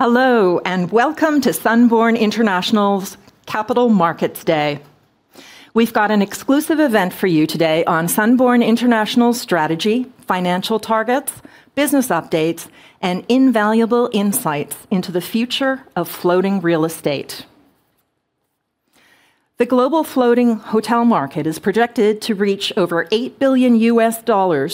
Hello, and welcome to Sunborn International's Capital Markets Day. We have got an exclusive event for you today on Sunborn International's strategy, financial targets, business updates, and invaluable insights into the future of floating real estate. The global floating hotel market is projected to reach over $8 billion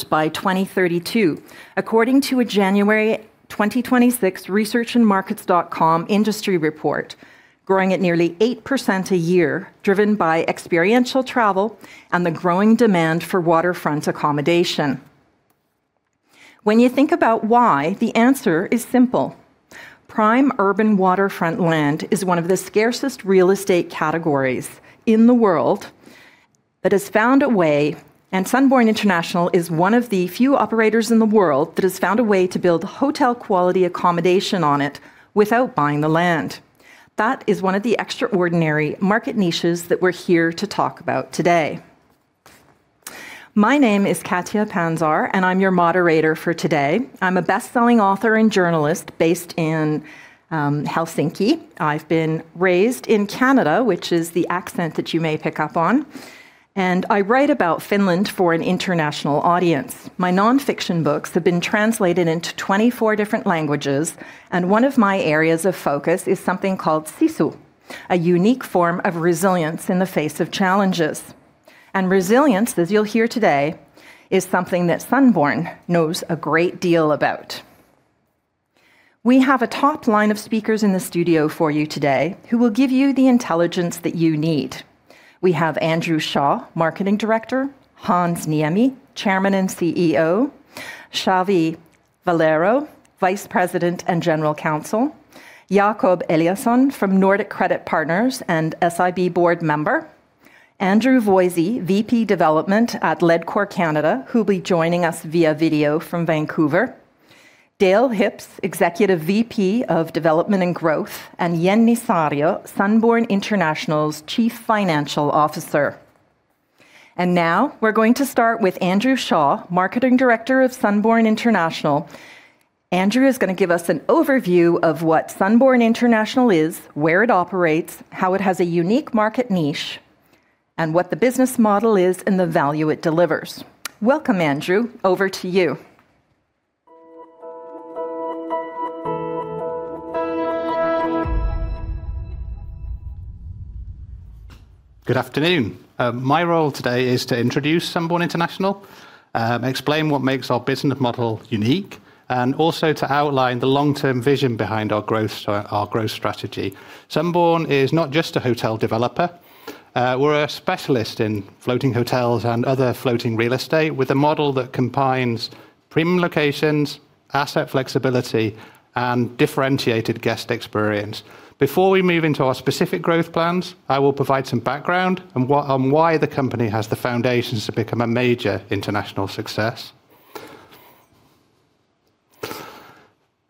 by 2032, according to a January 2026 researchandmarkets.com industry report, growing at nearly eight percent a year, driven by experiential travel and the growing demand for waterfront accommodation. When you think about why, the answer is simple. Prime urban waterfront land is one of the scarcest real estate categories in the world, and Sunborn International is one of the few operators in the world that has found a way to build hotel-quality accommodation on it without buying the land. That is one of the extraordinary market niches that we are here to talk about today. My name is Katja Pantzar, and I am your Moderator for today. I am a best-selling author and journalist based in Helsinki. I have been raised in Canada, which is the accent that you may pick up on, and I write about Finland for an international audience. My non-fiction books have been translated into 24 different languages, and one of my areas of focus is something called sisu, a unique form of resilience in the face of challenges. Resilience, as you will hear today, is something that Sunborn knows a great deal about. We have a top line of speakers in the studio for you today who will give you the intelligence that you need. We have Andrew Shaw, Marketing Director, Hans Niemi, Chairman and CEO, Xavier Valero, Vice President and General Counsel, Jakob Eliasson from Nordic Credit Partners and SIB board member, Andrew Voysey, VP Development at Ledcor Canada, who will be joining us via video from Vancouver, Dale Hipsh, Executive VP of Development and Growth, and Jenni Saario, Sunborn International's Chief Financial Officer. Now we are going to start with Andrew Shaw, Marketing Director of Sunborn International. Andrew is going to give us an overview of what Sunborn International is, where it operates, how it has a unique market niche, and what the business model is and the value it delivers. Welcome, Andrew. Over to you. Good afternoon. My role today is to introduce Sunborn International, explain what makes our business model unique, and also to outline the long-term vision behind our growth strategy. Sunborn is not just a hotel developer. We are a specialist in floating hotels and other floating real estate, with a model that combines premium locations, asset flexibility, and differentiated guest experience. Before we move into our specific growth plans, I will provide some background on why the company has the foundations to become a major international success.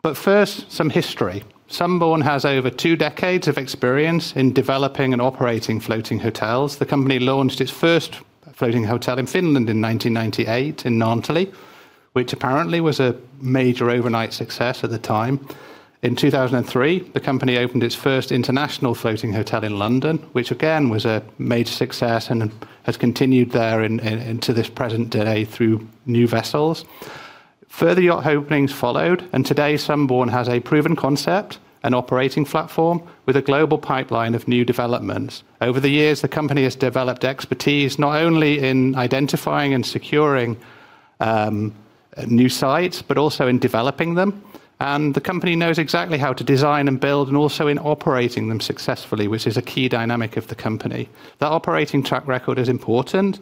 But first, some history. Sunborn has over two decades of experience in developing and operating floating hotels. The company launched its first floating hotel in Finland in 1998 in Naantali, which apparently was a major overnight success at the time. In 2003, the company opened its first international floating hotel in London, which again was a major success and has continued there into this present day through new vessels. Further yacht openings followed. Today, Sunborn has a proven concept and operating platform with a global pipeline of new developments. Over the years, the company has developed expertise not only in identifying and securing new sites, but also in developing them. The company knows exactly how to design and build, also in operating them successfully, which is a key dynamic of the company. That operating track record is important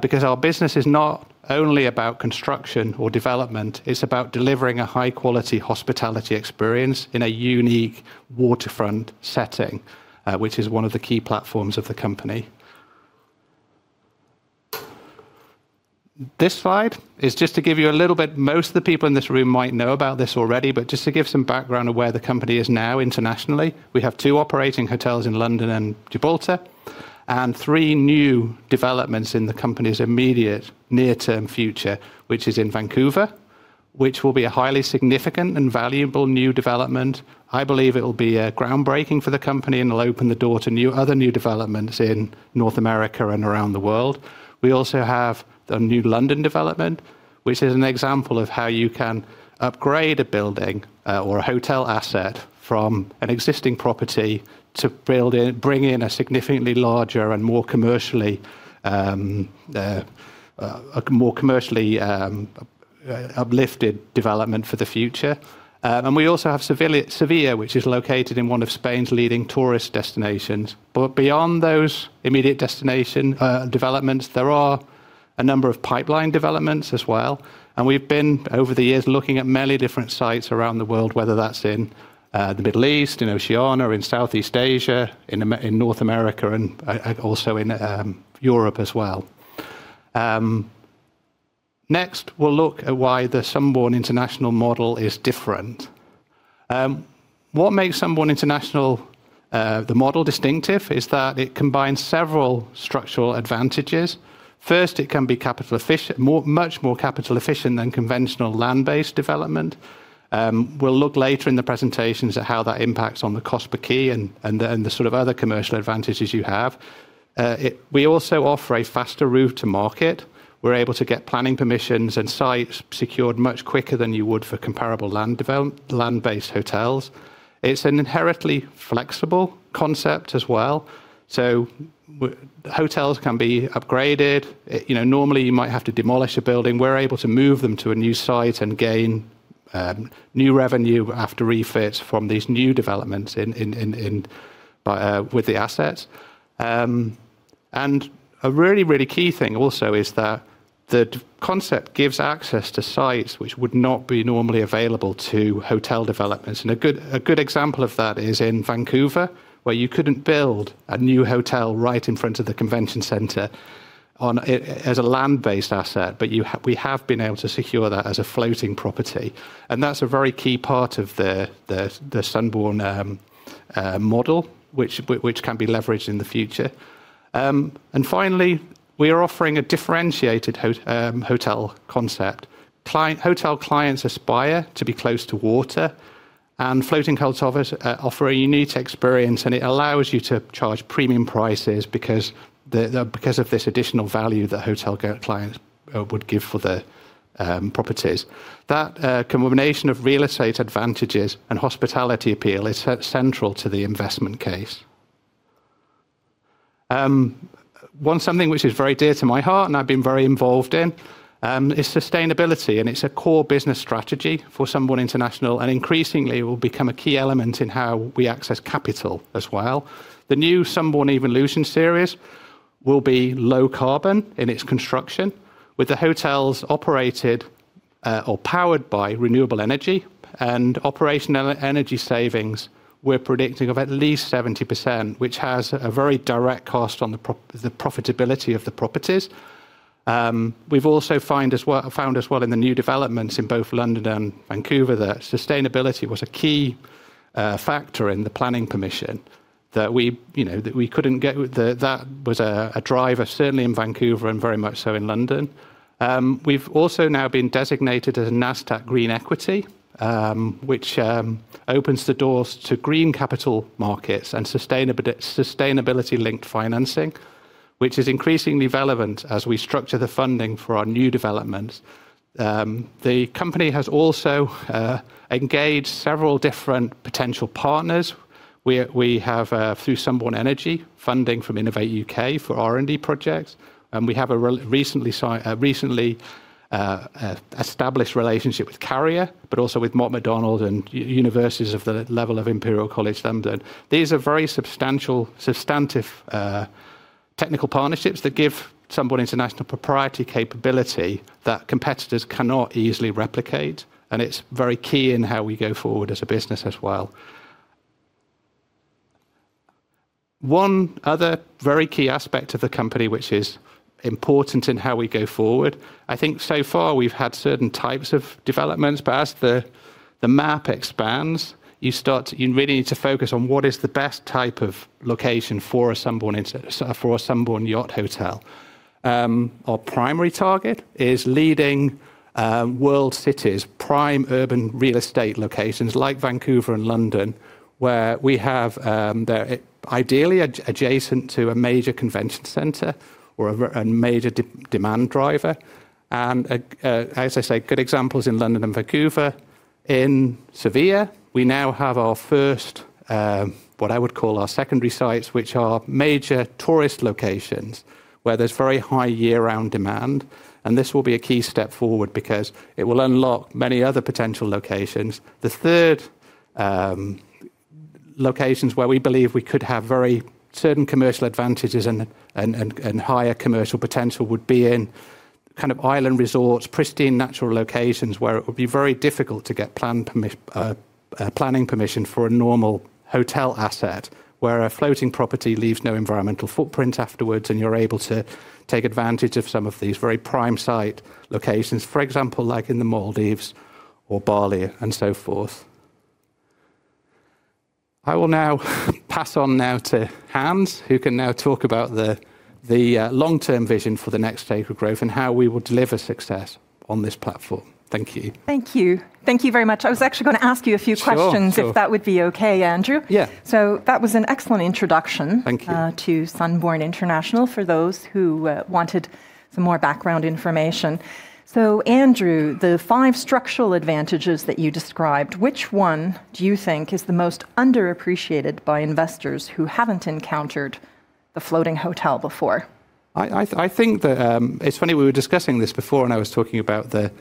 because our business is not only about construction or development, it's about delivering a high-quality hospitality experience in a unique waterfront setting, which is one of the key platforms of the company. This slide is just to give you, most of the people in this room might know about this already, but just to give some background of where the company is now internationally, we have two operating hotels in London and Gibraltar and three new developments in the company's immediate near-term future, which is in Vancouver, which will be a highly significant and valuable new development. I believe it will be groundbreaking for the company and will open the door to other new developments in North America and around the world. We also have a new London development, which is an example of how you can upgrade a building or a hotel asset from an existing property to bring in a significantly larger and more commercially uplifted development for the future. We also have Seville, which is located in one of Spain's leading tourist destinations. Beyond those immediate destination developments, there are a number of pipeline developments as well. We've been, over the years, looking at many different sites around the world, whether that's in the Middle East, in Oceania, or in Southeast Asia, in North America, and also in Europe as well. Next, we'll look at why the Sunborn International model is different. What makes Sunborn International model distinctive is that it combines several structural advantages. First, it can be much more capital efficient than conventional land-based development. We'll look later in the presentations at how that impacts on the cost per key and the sort of other commercial advantages you have. We also offer a faster route to market. We're able to get planning permissions and sites secured much quicker than you would for comparable land-based hotels. It's an inherently flexible concept as well. Hotels can be upgraded. Normally, you might have to demolish a building. We're able to move them to a new site and gain new revenue after refit from these new developments with the assets. A really key thing also is that the concept gives access to sites which would not be normally available to hotel developments. A good example of that is in Vancouver, where you couldn't build a new hotel right in front of the convention center as a land-based asset, but we have been able to secure that as a floating property, and that's a very key part of the Sunborn model, which can be leveraged in the future. Finally, we are offering a differentiated hotel concept. Hotel clients aspire to be close to water, floating hotels offer a unique experience, it allows you to charge premium prices because of this additional value that hotel clients would give for the properties. That combination of real estate advantages and hospitality appeal is central to the investment case. Something which is very dear to my heart and I've been very involved in, is sustainability, it's a core business strategy for Sunborn International, increasingly will become a key element in how we access capital as well. The new Sunborn Evolution series will be low carbon in its construction, with the hotels operated or powered by renewable energy. Operational energy savings, we're predicting, of at least 70%, which has a very direct cost on the profitability of the properties. We've also found as well in the new developments in both London and Vancouver, that sustainability was a key factor in the planning permission. That was a driver, certainly in Vancouver, very much so in London. We've also now been designated as a Nasdaq Green Equity, which opens the doors to green capital markets and sustainability-linked financing, which is increasingly relevant as we structure the funding for our new developments. The company has also engaged several different potential partners. We have, through Sunborn Energy, funding from Innovate U.K. for R&D projects. We have a recently established relationship with Carrier, but also with Mott MacDonald and universities of the level of Imperial College London. These are very substantive technical partnerships that give Sunborn International propriety capability that competitors cannot easily replicate, it's very key in how we go forward as a business as well. One other very key aspect of the company, which is important in how we go forward, I think so far we've had certain types of developments, but as the map expands, you really need to focus on what is the best type of location for a Sunborn yacht hotel. Our primary target is leading world cities, prime urban real estate locations like Vancouver and London, where we have, they're ideally adjacent to a major convention center or a major demand driver. As I say, good examples in London and Vancouver. In Sevilla, we now have our first, what I would call our secondary sites, which are major tourist locations where there's very high year-round demand, this will be a key step forward because it will unlock many other potential locations. The third locations where we believe we could have very certain commercial advantages and higher commercial potential would be in kind of island resorts, pristine natural locations where it would be very difficult to get planning permission for a normal hotel asset, where a floating property leaves no environmental footprint afterwards, you're able to take advantage of some of these very prime site locations. For example, like in the Maldives or Bali and so forth. I will now pass on now to Hans, who can now talk about the long-term vision for the next stage of growth and how we will deliver success on this platform. Thank you. Thank you. Thank you very much. I was actually going to ask you a few questions. Sure If that would be okay, Andrew. That was an excellent introduction. Thank you. to Sunborn International for those who wanted some more background information. Andrew, the five structural advantages that you described, which one do you think is the most underappreciated by investors who haven't encountered a floating hotel before? It's funny, we were discussing this before when I was talking about the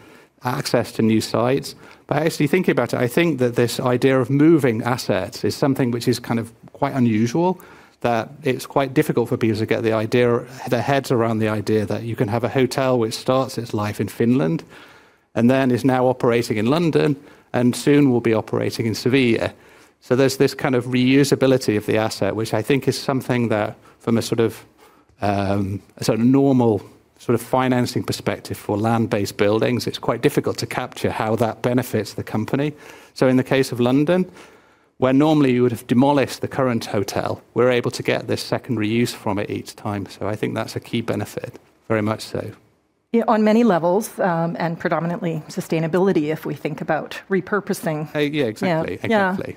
access to new sites. Actually thinking about it, I think that this idea of moving assets is something which is kind of quite unusual. That it's quite difficult for people to get their heads around the idea that you can have a hotel which starts its life in Finland, and then is now operating in London, and soon will be operating in Sevilla. There's this kind of reusability of the asset, which I think is something that from a normal sort of financing perspective for land-based buildings, it's quite difficult to capture how that benefits the company. In the case of London, where normally you would've demolished the current hotel, we're able to get this secondary use from it each time. I think that's a key benefit, very much so. Yeah, on many levels, predominantly sustainability if we think about repurposing. Yeah, exactly. Yeah. Exactly.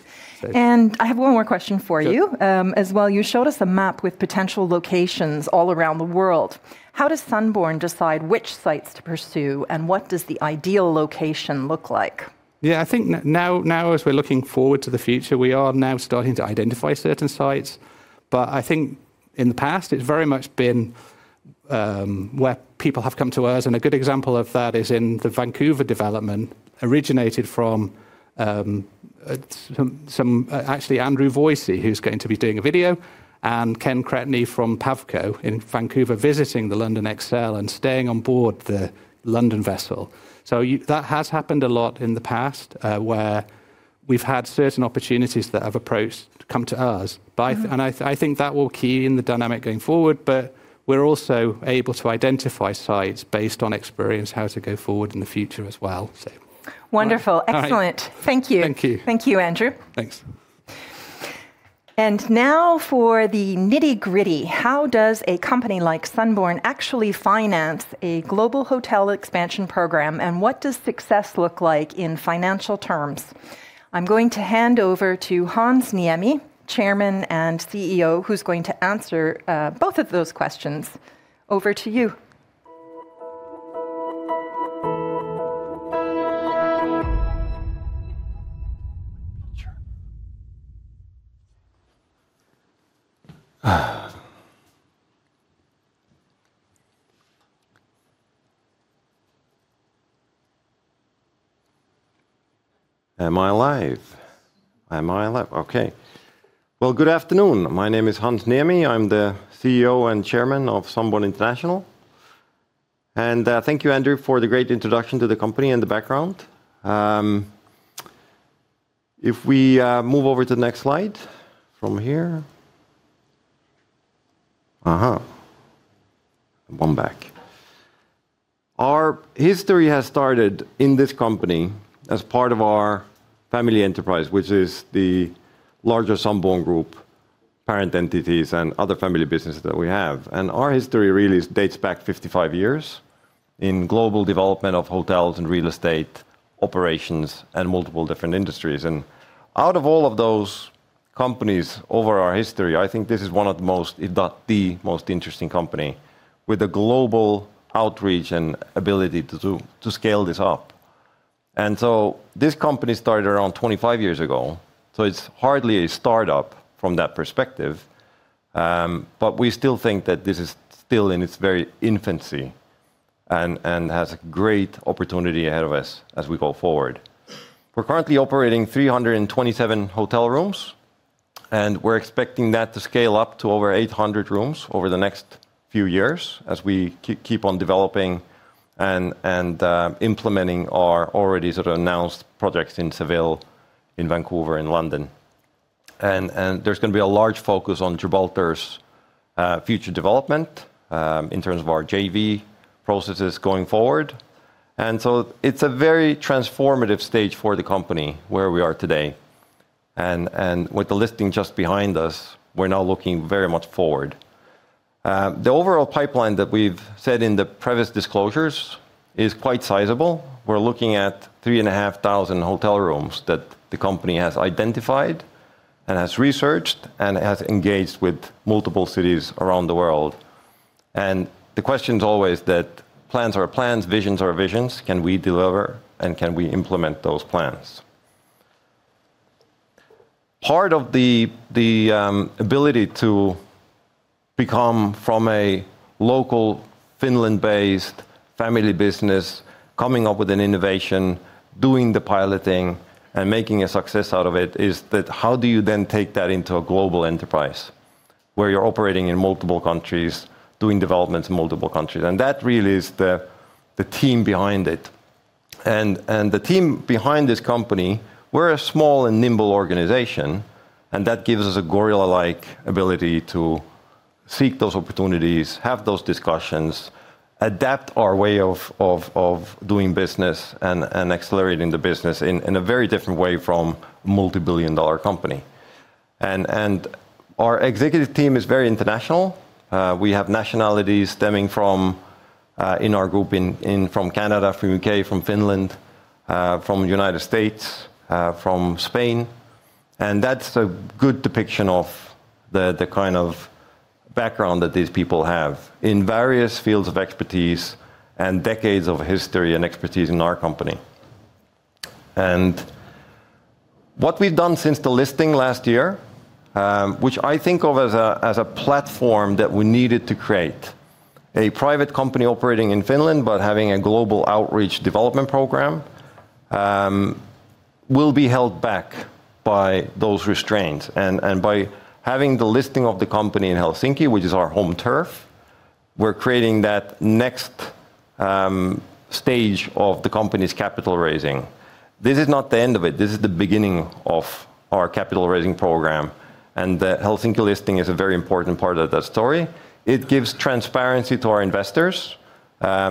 I have one more question for you. As well, you showed us a map with potential locations all around the world. How does Sunborn decide which sites to pursue, and what does the ideal location look like? I think now as we're looking forward to the future, we are now starting to identify certain sites. I think in the past, it's very much been where people have come to us, and a good example of that is in the Vancouver development, originated from, actually Andrew Voysey, who's going to be doing a video, and Ken Cretney from PavCo in Vancouver visiting the ExCeL London and staying on board the London vessel. That has happened a lot in the past, where we've had certain opportunities that have come to us. I think that will key in the dynamic going forward, but we're also able to identify sites based on experience, how to go forward in the future as well. Wonderful. Excellent. Thank you. Thank you. Thank you, Andrew. Thanks. Now for the nitty-gritty. How does a company like Sunborn actually finance a global hotel expansion program, and what does success look like in financial terms? I am going to hand over to Hans Niemi, Chairman and CEO, who is going to answer both of those questions. Over to you. Am I live? Am I live? Okay. Well, good afternoon. My name is Hans Niemi. I am the CEO and Chairman of Sunborn International. Thank you, Andrew, for the great introduction to the company and the background. We move over to the next slide from here. One back. Our history has started in this company as part of our family enterprise, which is the larger Sunborn Group, parent entities, and other family businesses that we have. Our history really dates back 55 years in global development of hotels and real estate operations in multiple different industries. Out of all of those companies over our history, I think this is one of the most, if not the most interesting company, with a global outreach and ability to scale this up. This company started around 25 years ago, so it is hardly a startup from that perspective. We still think that this is still in its very infancy and has a great opportunity ahead of us as we go forward. We are currently operating 327 hotel rooms, and we are expecting that to scale up to over 800 rooms over the next few years as we keep on developing and implementing our already sort of announced projects in Seville, in Vancouver, and London. There is going to be a large focus on Gibraltar's future development, in terms of our JV processes going forward. It is a very transformative stage for the company where we are today. With the listing just behind us, we are now looking very much forward. The overall pipeline that we have said in the previous disclosures is quite sizable. We are looking at 3,500 hotel rooms that the company has identified, and has researched, and has engaged with multiple cities around the world. The question is always that plans are plans, visions are visions. Can we deliver, and can we implement those plans? Part of the ability to become from a local Finland-based family business, coming up with an innovation, doing the piloting, and making a success out of it, is that how do you then take that into a global enterprise where you are operating in multiple countries, doing developments in multiple countries? That really is the team behind it. The team behind this company, we are a small and nimble organization, and that gives us a gorilla-like ability to seek those opportunities, have those discussions, adapt our way of doing business and accelerating the business in a very different way from a multibillion-dollar company. Our executive team is very international. We have nationalities stemming from, in our group, from Canada, from U.K., from Finland, from United States, from Spain. That's a good depiction of the kind of background that these people have in various fields of expertise and decades of history and expertise in our company. And what we've done since the listing last year, which I think of as a platform that we needed to create. A private company operating in Finland but having a global outreach development program will be held back by those restraints. And by having the listing of the company in Helsinki, which is our home turf. We're creating that next stage of the company's capital raising. This is not the end of it. This is the beginning of our capital raising program, and the Helsinki listing is a very important part of that story. It gives transparency to our investors,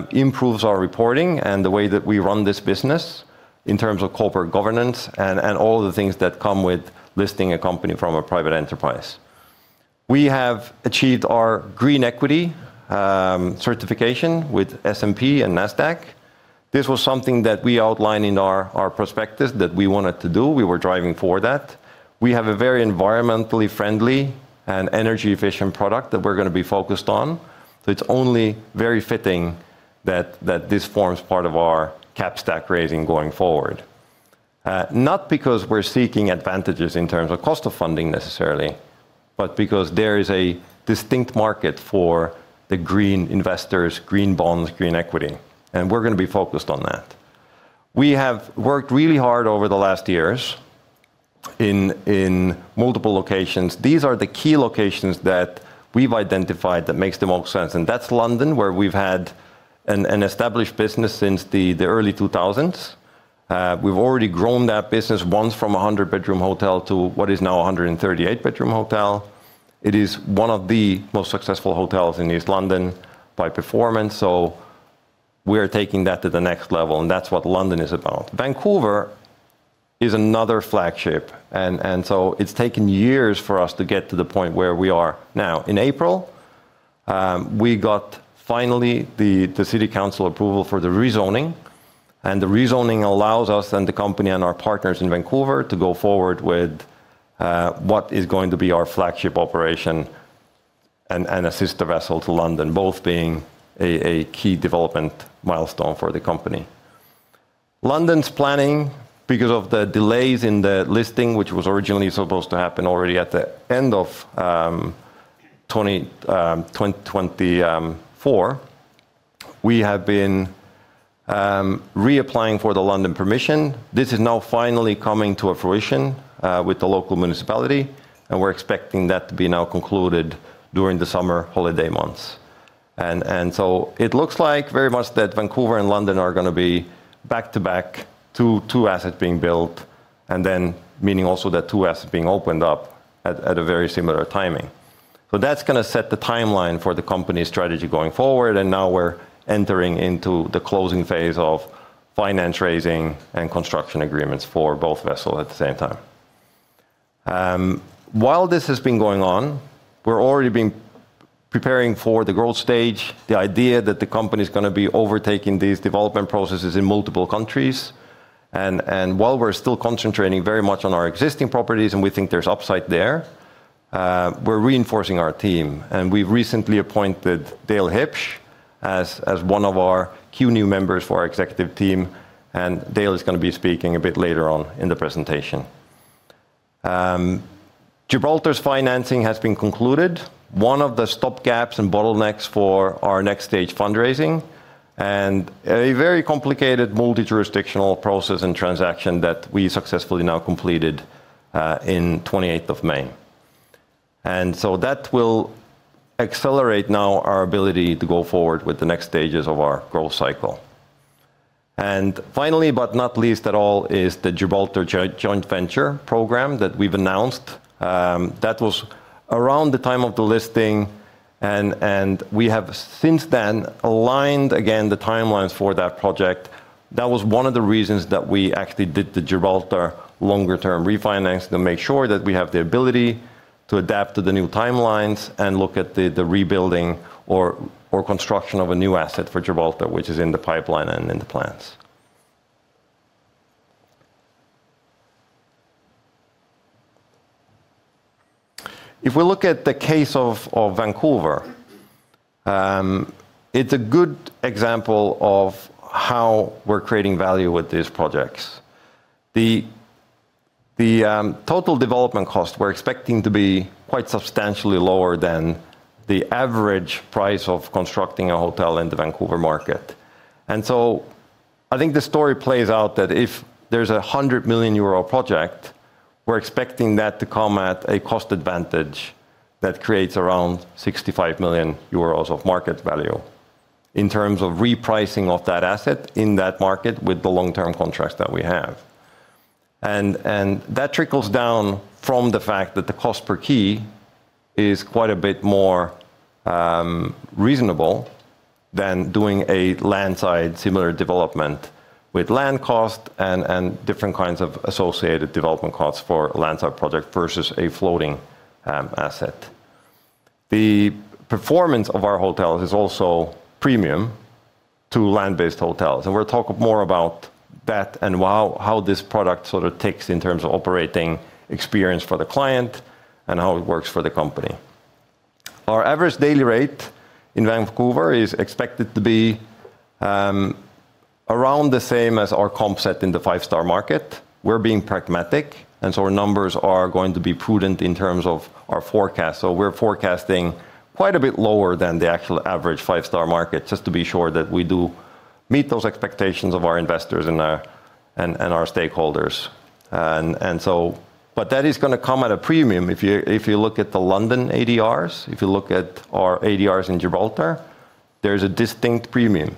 improves our reporting and the way that we run this business in terms of corporate governance and all the things that come with listing a company from a private enterprise. We have achieved our Green Equity certification with S&P and Nasdaq. This was something that we outlined in our prospectus that we wanted to do. We were driving for that. We have a very environmentally friendly and energy-efficient product that we're going to be focused on. So it's only very fitting that this forms part of our capital stack raising going forward. Not because we're seeking advantages in terms of cost of funding necessarily, but because there is a distinct market for the green investors, green bonds, Green Equity, and we're going to be focused on that. We have worked really hard over the last years in multiple locations. These are the key locations that we've identified that makes the most sense, and that's London, where we've had an established business since the early 2000s. We've already grown that business once from 100-bedroom hotel to what is now a 138-bedroom hotel. It is one of the most successful hotels in East London by performance. So we are taking that to the next level, and that's what London is about. Vancouver is another flagship, and so it's taken years for us to get to the point where we are now. In April, we got finally the city council approval for the rezoning, and the rezoning allows us and the company and our partners in Vancouver to go forward with what is going to be our flagship operation and a sister vessel to London, both being a key development milestone for the company. London's planning, because of the delays in the listing, which was originally supposed to happen already at the end of 2024, we have been reapplying for the London permission. This is now finally coming to a fruition with the local municipality, and we're expecting that to be now concluded during the summer holiday months. It looks like very much that Vancouver and London are going to be back-to-back, two assets being built, and then meaning also that two assets being opened up at a very similar timing. That's going to set the timeline for the company strategy going forward, and now we're entering into the closing phase of finance raising and construction agreements for both vessels at the same time. While this has been going on, we're already been preparing for the growth stage, the idea that the company's going to be overtaking these development processes in multiple countries. While we're still concentrating very much on our existing properties and we think there's upside there, we're reinforcing our team, and we've recently appointed Dale Hipsh as one of our few new members for our executive team. Dale is going to be speaking a bit later on in the presentation. Gibraltar's financing has been concluded, one of the stop gaps and bottlenecks for our next stage fundraising, a very complicated multi-jurisdictional process and transaction that we successfully now completed in 28th of May. That will accelerate now our ability to go forward with the next stages of our growth cycle. Finally, but not least at all, is the Gibraltar joint venture program that we've announced, that was around the time of the listing. We have since then aligned again the timelines for that project. That was one of the reasons that we actually did the Gibraltar longer term refinance to make sure that we have the ability to adapt to the new timelines and look at the rebuilding or construction of a new asset for Gibraltar, which is in the pipeline and in the plans. If we look at the case of Vancouver, it's a good example of how we're creating value with these projects. The total development cost we're expecting to be quite substantially lower than the average price of constructing a hotel in the Vancouver market. I think the story plays out that if there's a 100 million euro project, we're expecting that to come at a cost advantage that creates around 65 million euros of market value in terms of repricing of that asset in that market with the long-term contracts that we have. That trickles down from the fact that the cost per key is quite a bit more reasonable than doing a land side similar development with land cost and different kinds of associated development costs for a land side project versus a floating asset. The performance of our hotels is also premium to land-based hotels, and we'll talk more about that and how this product sort of ticks in terms of operating experience for the client and how it works for the company. Our average daily rate in Vancouver is expected to be around the same as our comp set in the five-star market. We're being pragmatic. Our numbers are going to be prudent in terms of our forecast. We're forecasting quite a bit lower than the actual average five-star market, just to be sure that we do meet those expectations of our investors and our stakeholders. That is going to come at a premium. If you look at the London ADRs, if you look at our ADRs in Gibraltar, there's a distinct premium.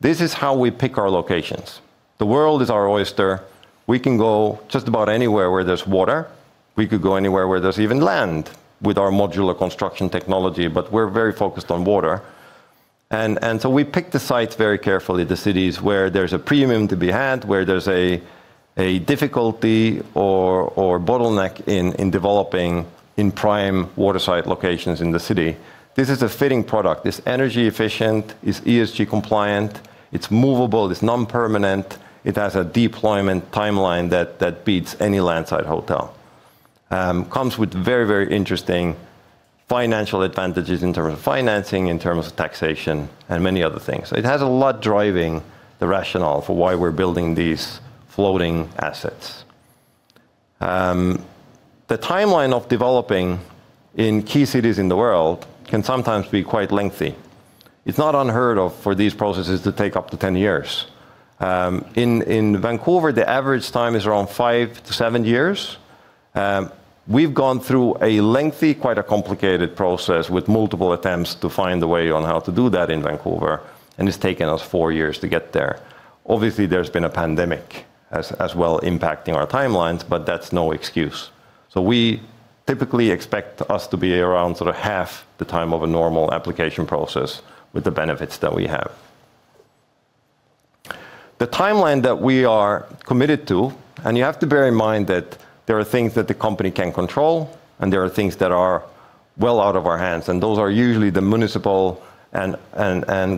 This is how we pick our locations. The world is our oyster. We can go just about anywhere where there's water. We could go anywhere where there's even land with our modular construction technology, but we're very focused on water. We pick the sites very carefully, the cities where there's a premium to be had, where there's a difficulty or bottleneck in developing in prime waterside locations in the city. This is a fitting product. It's energy efficient, it's ESG compliant, it's movable, it's non-permanent, it has a deployment timeline that beats any land-side hotel. It comes with very interesting financial advantages in terms of financing, in terms of taxation, and many other things. It has a lot driving the rationale for why we're building these floating assets. The timeline of developing in key cities in the world can sometimes be quite lengthy. It's not unheard of for these processes to take up to 10 years. In Vancouver, the average time is around five to seven years. We've gone through a lengthy, quite a complicated process with multiple attempts to find a way on how to do that in Vancouver, and it's taken us four years to get there. Obviously, there's been a pandemic as well impacting our timelines, but that's no excuse. We typically expect us to be around sort of half the time of a normal application process with the benefits that we have. The timeline that we are committed to, and you have to bear in mind that there are things that the company can control and there are things that are well out of our hands, and those are usually the municipal and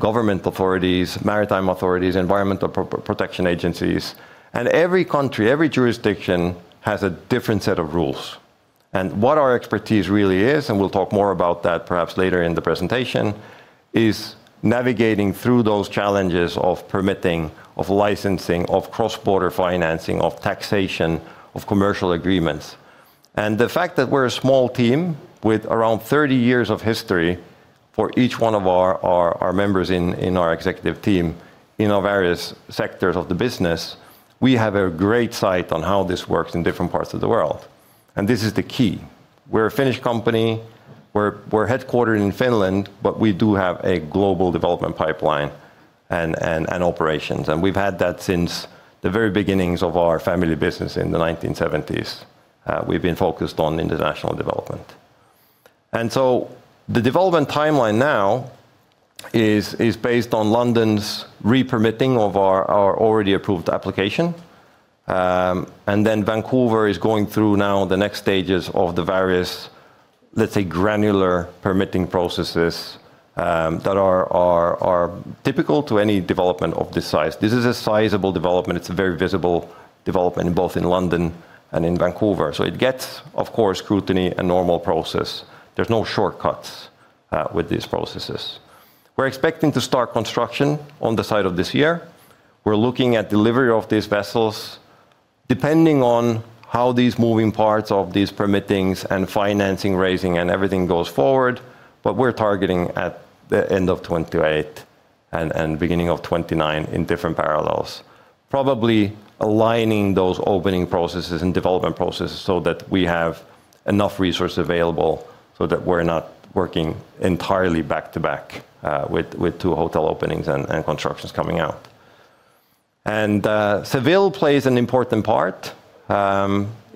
government authorities, maritime authorities, environmental protection agencies. Every country, every jurisdiction, has a different set of rules. What our expertise really is, and we'll talk more about that perhaps later in the presentation, is navigating through those challenges of permitting, of licensing, of cross-border financing, of taxation, of commercial agreements. The fact that we're a small team with around 30 years of history for each one of our members in our executive team, in our various sectors of the business, we have a great sight on how this works in different parts of the world. This is the key. We're a Finnish company. We're headquartered in Finland, but we do have a global development pipeline and operations. We've had that since the very beginnings of our family business in the 1970s. We've been focused on international development. The development timeline now is based on London's re-permitting of our already approved application. Vancouver is going through now the next stages of the various, let's say, granular permitting processes that are typical to any development of this size. This is a sizable development. It's a very visible development both in London and in Vancouver. It gets, of course, scrutiny and normal process. There's no shortcuts with these processes. We're expecting to start construction on the side of this year. We're looking at delivery of these vessels, depending on how these moving parts of these permitting and financing raising and everything goes forward, but we're targeting at the end of 2028 and beginning of 2029 in different parallels. Probably aligning those opening processes and development processes so that we have enough resource available so that we're not working entirely back-to-back, with two hotel openings and constructions coming out. Seville plays an important part.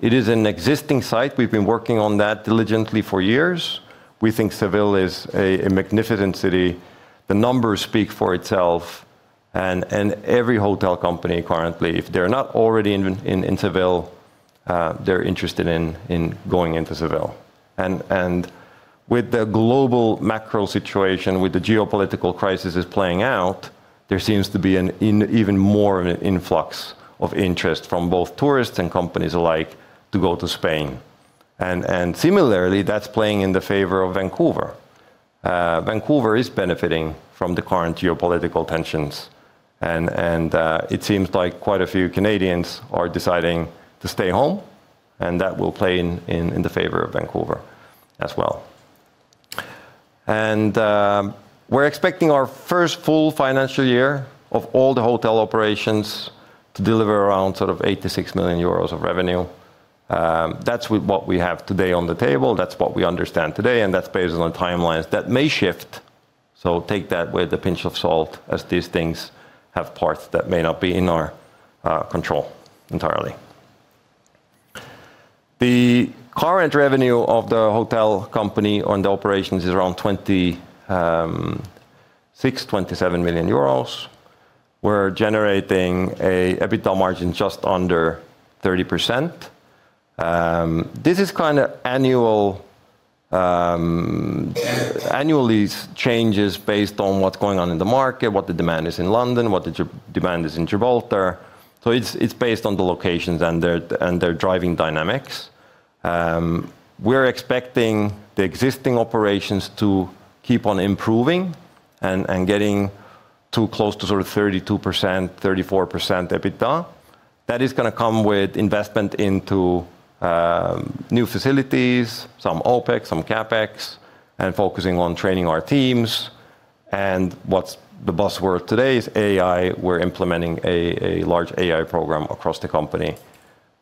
It is an existing site. We've been working on that diligently for years. We think Seville is a magnificent city. The numbers speak for itself. Every hotel company currently, if they're not already in Seville, they're interested in going into Seville. With the global macro situation, with the geopolitical crisis playing out, there seems to be even more of an influx of interest from both tourists and companies alike to go to Spain. Similarly, that's playing in the favor of Vancouver. Vancouver is benefiting from the current geopolitical tensions. It seems like quite a few Canadians are deciding to stay home, and that will play in the favor of Vancouver as well. We're expecting our first full financial year of all the hotel operations to deliver around sort of 86 million euros of revenue. That's what we have today on the table, that's what we understand today, and that's based on timelines that may shift. Take that with a pinch of salt as these things have parts that may not be in our control entirely. The current revenue of the hotel company on the operations is around 26 million-27 million euros. We're generating an EBITDA margin just under 30%. This is kind of annually changes based on what's going on in the market, what the demand is in London, what the demand is in Gibraltar. It's based on the locations and their driving dynamics. We're expecting the existing operations to keep on improving and getting to close to sort of 32% to 34% EBITDA. That is going to come with investment into new facilities, some OpEx, some CapEx, and focusing on training our teams. What's the buzzword today is AI. We're implementing a large AI program across the company.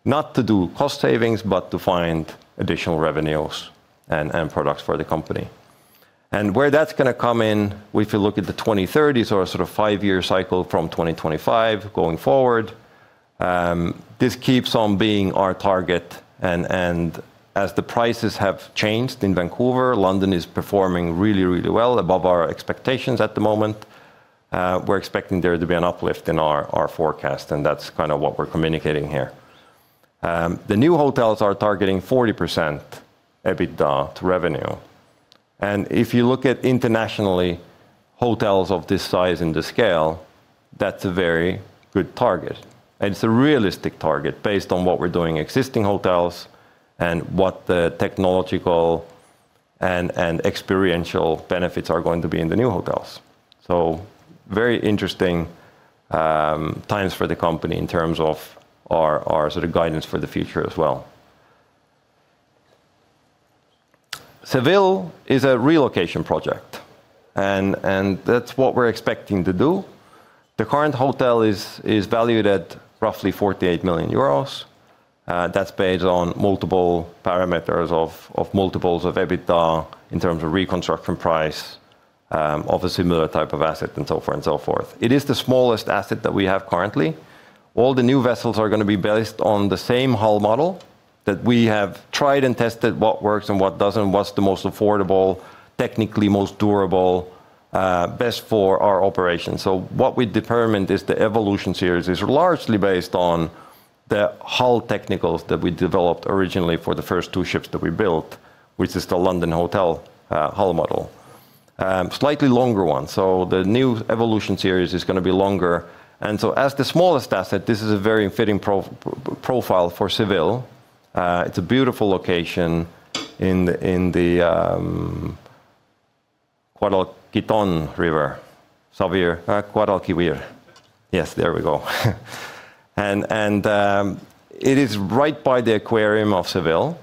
Not to do cost savings, but to find additional revenues and end products for the company. Where that's going to come in, if you look at the 2030s or a sort of five-year cycle from 2025 going forward, this keeps on being our target. As the prices have changed in Vancouver, London is performing really, really well, above our expectations at the moment. We're expecting there to be an uplift in our forecast, and that's kind of what we're communicating here. The new hotels are targeting 40% EBITDA to revenue. If you look at internationally, hotels of this size and this scale, that's a very good target. It's a realistic target based on what we're doing, existing hotels, and what the technological and experiential benefits are going to be in the new hotels. Very interesting times for the company in terms of our sort of guidance for the future as well. Seville is a relocation project. That's what we're expecting to do. The current hotel is valued at roughly 48 million euros. That's based on multiple parameters of multiples of EBITDA in terms of reconstruction price, of a similar type of asset and so forth. It is the smallest asset that we have currently. All the new vessels are going to be based on the same hull model that we have tried and tested what works and what doesn't, what's the most affordable, technically most durable, best for our operation. What we determined is the Evolution series is largely based on the hull technicals that we developed originally for the first two ships that we built, which is the London Hotel hull model. Slightly longer one. The new Evolution series is going to be longer. As the smallest asset, this is a very fitting profile for Seville. It is a beautiful location in the Guadalquivir. Yes, there we go. It is right by the aquarium of Seville.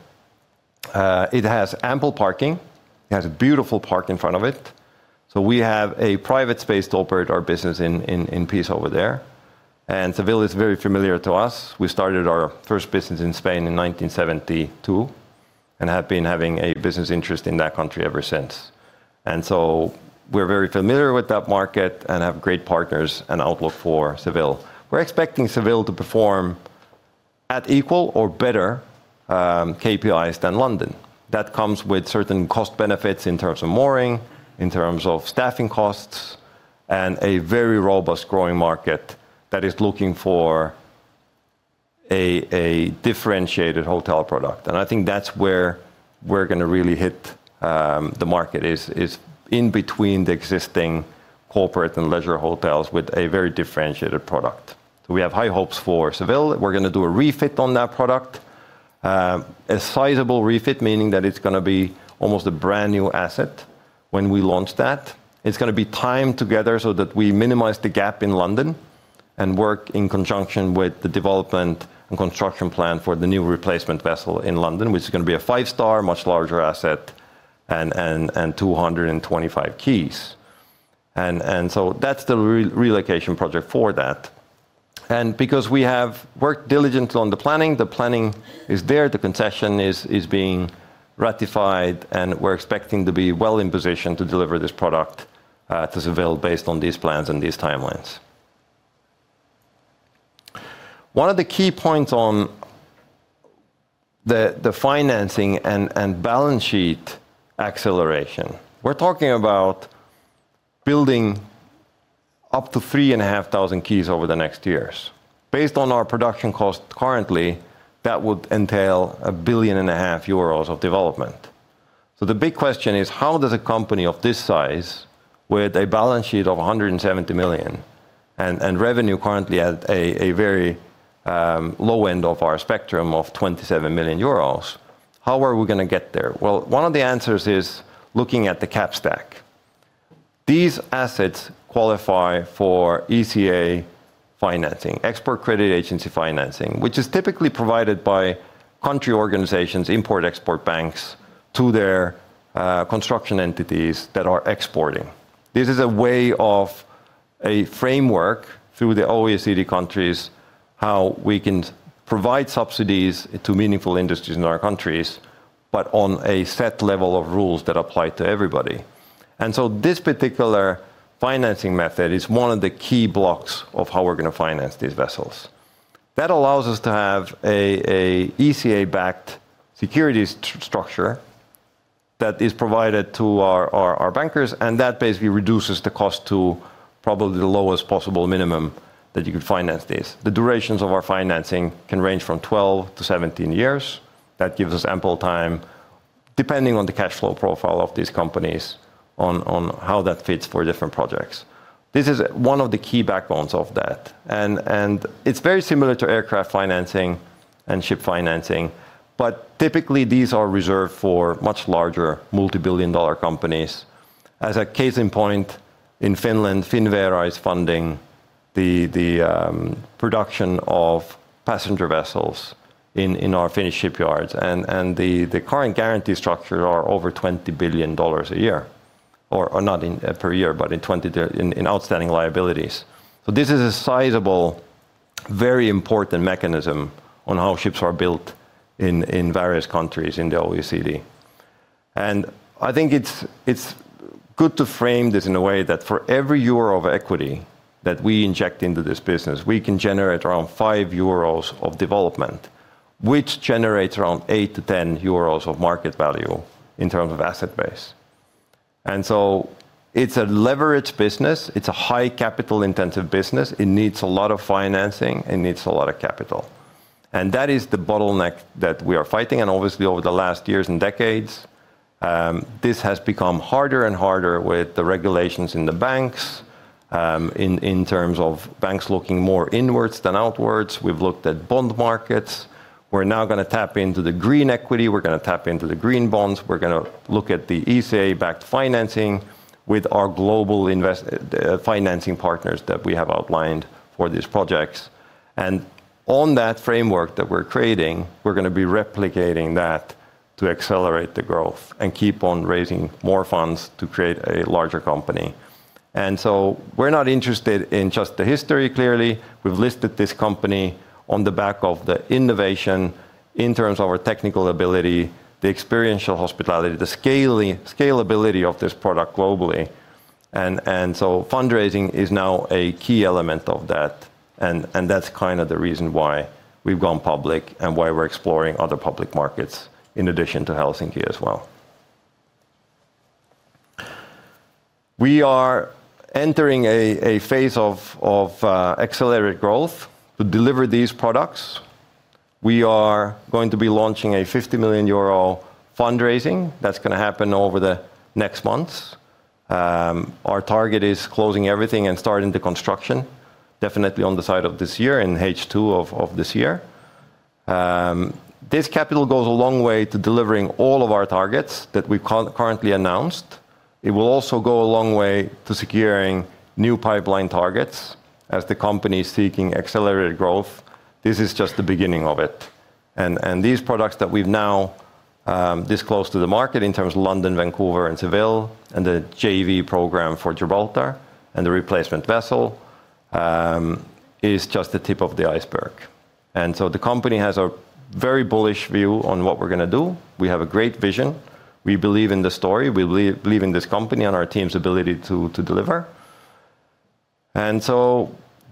It has ample parking. It has a beautiful park in front of it. We have a private space to operate our business in peace over there. Seville is very familiar to us. We started our first business in Spain in 1972 and have been having a business interest in that country ever since. We are very familiar with that market and have great partners and outlook for Seville. We are expecting Seville to perform at equal or better KPIs than London. That comes with certain cost benefits in terms of mooring, in terms of staffing costs, and a very robust growing market that is looking for a differentiated hotel product. I think that is where we are going to really hit the market, is in between the existing corporate and leisure hotels with a very differentiated product. We have high hopes for Seville. We are going to do a refit on that product. A sizable refit, meaning that it is going to be almost a brand new asset when we launch that. It is going to be timed together so that we minimize the gap in London and work in conjunction with the development and construction plan for the new replacement vessel in London, which is going to be a five-star, much larger asset, and 225 keys. That is the relocation project for that. Because we have worked diligently on the planning, the planning is there, the concession is being ratified, and we are expecting to be well in position to deliver this product to Seville based on these plans and these timelines. One of the key points on the financing and balance sheet acceleration. We are talking about building up to 3,500 keys over the next years. Based on our production cost currently, that would entail 1.5 billion of development. The big question is, how does a company of this size, with a balance sheet of 170 million and revenue currently at a very low end of our spectrum of 27 million euros, how are we going to get there? One of the answers is looking at the capital stack. These assets qualify for ECA financing, Export Credit Agency financing, which is typically provided by country organizations, import-export banks, to their construction entities that are exporting. This is a way of a framework through the OECD countries, how we can provide subsidies to meaningful industries in our countries, but on a set level of rules that apply to everybody. This particular financing method is one of the key blocks of how we are going to finance these vessels. That allows us to have a ECA-backed securities structure that is provided to our bankers. That basically reduces the cost to probably the lowest possible minimum that you could finance this. The durations of our financing can range from 12 to 17 years. That gives us ample time, depending on the cash flow profile of these companies, on how that fits for different projects. This is one of the key backbones of that. It's very similar to aircraft financing and ship financing, but typically, these are reserved for much larger, multi-billion dollar companies. As a case in point, in Finland, Finnvera is funding the production of passenger vessels in our Finnish shipyards. The current guarantee structure are over EUR 20 billion a year, or not per year, but in outstanding liabilities. This is a sizable, very important mechanism on how ships are built in various countries in the OECD. I think it's good to frame this in a way that for every EUR of equity that we inject into this business, we can generate around five EUR of development, which generates around eight to 10 euros of market value in terms of asset base. It's a leveraged business. It's a high capital-intensive business. It needs a lot of financing and needs a lot of capital. That is the bottleneck that we are fighting. Obviously, over the last years and decades, this has become harder and harder with the regulations in the banks, in terms of banks looking more inwards than outwards. We've looked at bond markets. We're now going to tap into the green equity. We're going to tap into the green bonds. We're going to look at the ECA-backed financing with our global financing partners that we have outlined for these projects. On that framework that we're creating, we're going to be replicating that to accelerate the growth and keep on raising more funds to create a larger company. We're not interested in just the history, clearly. We've listed this company on the back of the innovation in terms of our technical ability, the experiential hospitality, the scalability of this product globally. Fundraising is now a key element of that, and that's kind of the reason why we've gone public and why we're exploring other public markets in addition to Helsinki as well. We are entering a phase of accelerated growth to deliver these products. We are going to be launching a 50 million euro fundraising. That's going to happen over the next months. Our target is closing everything and starting the construction definitely on the side of this year, in H2 of this year. This capital goes a long way to delivering all of our targets that we've currently announced. It will also go a long way to securing new pipeline targets as the company is seeking accelerated growth. This is just the beginning of it. These products that we've now disclosed to the market in terms of London, Vancouver, and Seville, and the JV program for Gibraltar and the replacement vessel, is just the tip of the iceberg. The company has a very bullish view on what we're going to do. We have a great vision. We believe in the story. We believe in this company and our team's ability to deliver.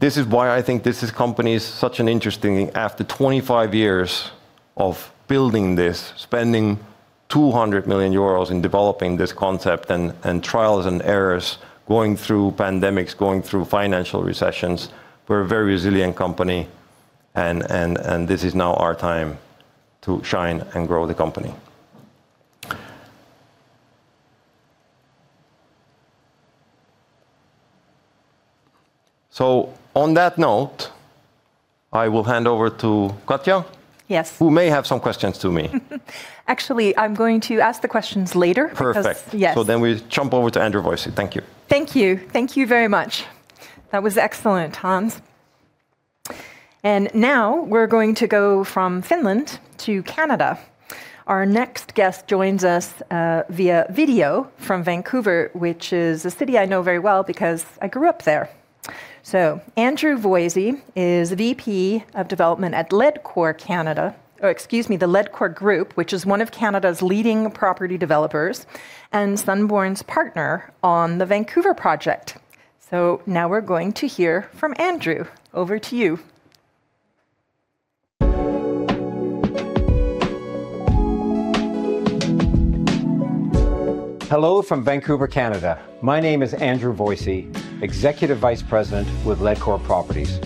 This is why I think this company is such an interesting, after 25 years of building this, spending 200 million euros in developing this concept and trials and errors, going through pandemics, going through financial recessions, we're a very resilient company and this is now our time to shine and grow the company. On that note, I will hand over to Katja. Yes. Who may have some questions to me. Actually, I'm going to ask the questions later. Perfect. Yes. We jump over to Andrew Voysey. Thank you. Thank you. Thank you very much. That was excellent, Hans. Now we're going to go from Finland to Canada. Our next guest joins us via video from Vancouver, which is a city I know very well, because I grew up there. Andrew Voysey is VP of development at the Ledcor Group, which is one of Canada's leading property developers and Sunborn's partner on the Vancouver project. Now we're going to hear from Andrew. Over to you. Hello from Vancouver, Canada. My name is Andrew Voysey, Executive Vice President with Ledcor Properties.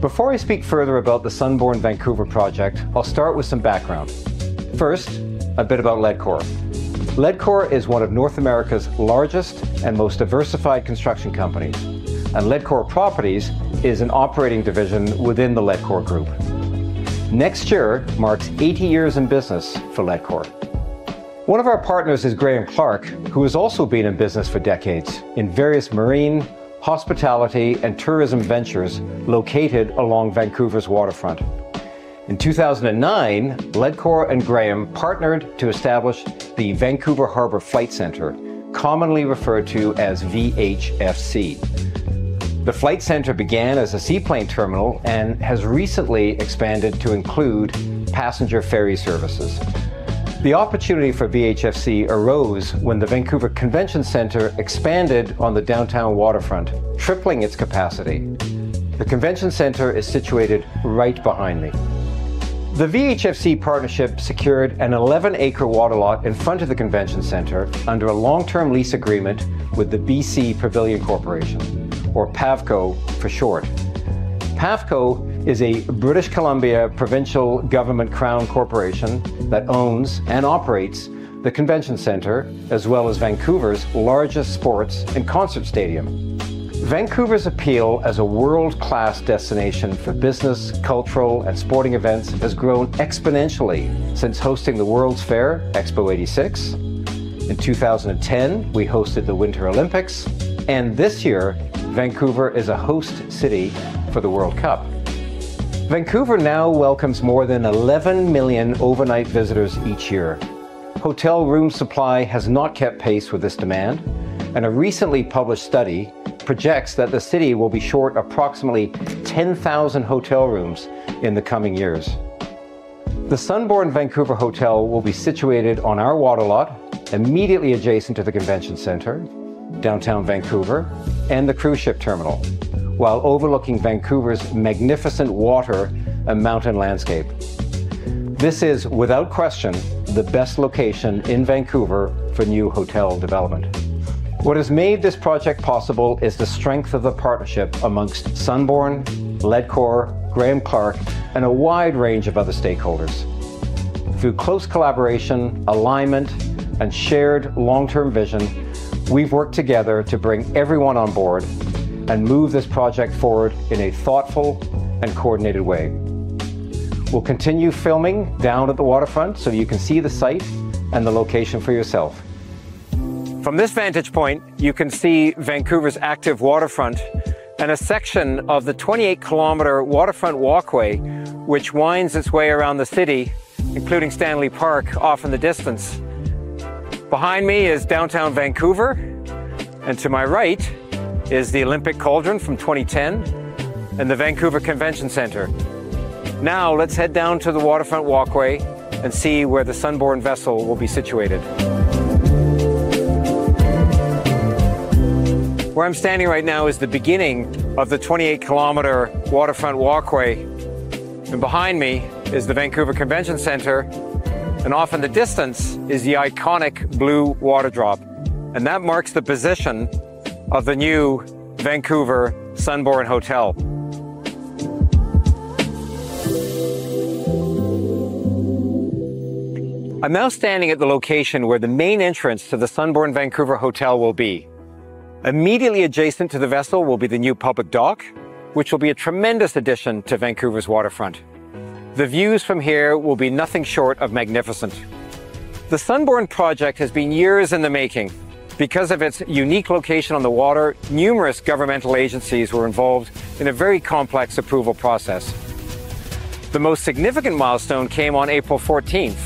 Before I speak further about the Sunborn Vancouver project, I will start with some background. First, a bit about Ledcor. Ledcor is one of North America's largest and most diversified construction companies, and Ledcor Properties is an operating division within the Ledcor Group. Next year marks 80 years in business for Ledcor. One of our partners is Graham Clark, who has also been in business for decades in various marine, hospitality, and tourism ventures located along Vancouver's waterfront. In 2009, Ledcor and Graham partnered to establish the Vancouver Harbour Flight Centre, commonly referred to as VHFC. The flight centre began as a seaplane terminal and has recently expanded to include passenger ferry services. The opportunity for VHFC arose when the Vancouver Convention Centre expanded on the downtown waterfront, tripling its capacity. The convention centre is situated right behind me. The VHFC partnership secured an 11-acre water lot in front of the convention centre under a long-term lease agreement with the BC Pavilion Corporation, or PavCo for short. PavCo is a British Columbia provincial government crown corporation that owns and operates the convention centre, as well as Vancouver's largest sports and concert stadium. Vancouver's appeal as a world-class destination for business, cultural, and sporting events has grown exponentially since hosting the World's Fair, Expo 86. In 2010, we hosted the Winter Olympics, and this year, Vancouver is a host city for the World Cup. Vancouver now welcomes more than 11 million overnight visitors each year. Hotel room supply has not kept pace with this demand, and a recently published study projects that the city will be short approximately 10,000 hotel rooms in the coming years. The Sunborn Vancouver hotel will be situated on our water lot immediately adjacent to the convention centre, downtown Vancouver, and the cruise ship terminal, while overlooking Vancouver's magnificent water and mountain landscape. This is, without question, the best location in Vancouver for new hotel development. What has made this project possible is the strength of the partnership amongst Sunborn, Ledcor, Graham Clark, and a wide range of other stakeholders. Through close collaboration, alignment, and shared long-term vision, we have worked together to bring everyone on board and move this project forward in a thoughtful and coordinated way. We will continue filming down at the waterfront so you can see the site and the location for yourself. From this vantage point, you can see Vancouver's active waterfront and a section of the 28-kilometer waterfront walkway, which winds its way around the city, including Stanley Park, off in the distance. Behind me is downtown Vancouver, and to my right is the Olympic Cauldron from 2010 and the Vancouver Convention Centre. Now, let's head down to the waterfront walkway and see where the Sunborn vessel will be situated. Where I am standing right now is the beginning of the 28-kilometer waterfront walkway, and behind me is the Vancouver Convention Centre, and off in the distance is the iconic blue water drop, and that marks the position of the new Sunborn Vancouver hotel. I am now standing at the location where the main entrance to the Sunborn Vancouver hotel will be. Immediately adjacent to the vessel will be the new public dock, which will be a tremendous addition to Vancouver's waterfront. The views from here will be nothing short of magnificent. The Sunborn project has been years in the making. Because of its unique location on the water, numerous governmental agencies were involved in a very complex approval process. The most significant milestone came on April 14th,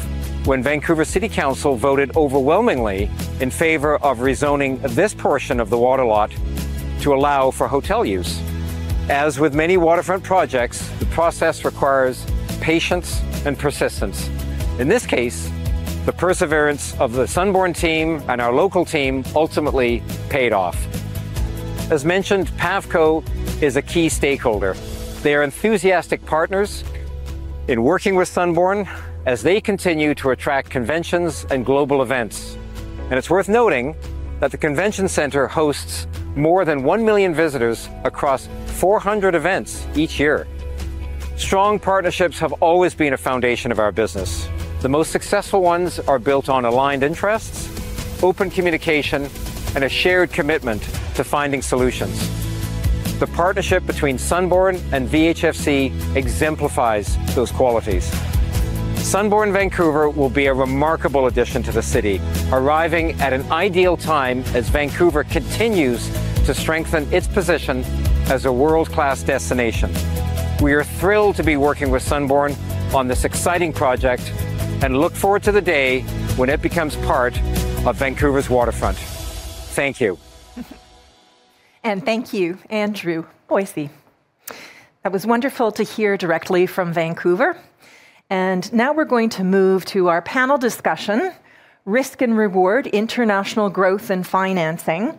when Vancouver City Council voted overwhelmingly in favor of rezoning this portion of the water lot to allow for hotel use. As with many waterfront projects, the process requires patience and persistence. In this case, the perseverance of the Sunborn team and our local team ultimately paid off. As mentioned, PavCo is a key stakeholder. They are enthusiastic partners in working with Sunborn as they continue to attract conventions and global events. It's worth noting that the convention center hosts more than one million visitors across 400 events each year. Strong partnerships have always been a foundation of our business. The most successful ones are built on aligned interests, open communication, and a shared commitment to finding solutions. The partnership between Sunborn and VHFC exemplifies those qualities. Sunborn Vancouver will be a remarkable addition to the city, arriving at an ideal time as Vancouver continues to strengthen its position as a world-class destination. We are thrilled to be working with Sunborn on this exciting project and look forward to the day when it becomes part of Vancouver's waterfront. Thank you. Thank you, Andrew Voysey. That was wonderful to hear directly from Vancouver. Now we're going to move to our panel discussion, Risk and Reward, International Growth and Financing.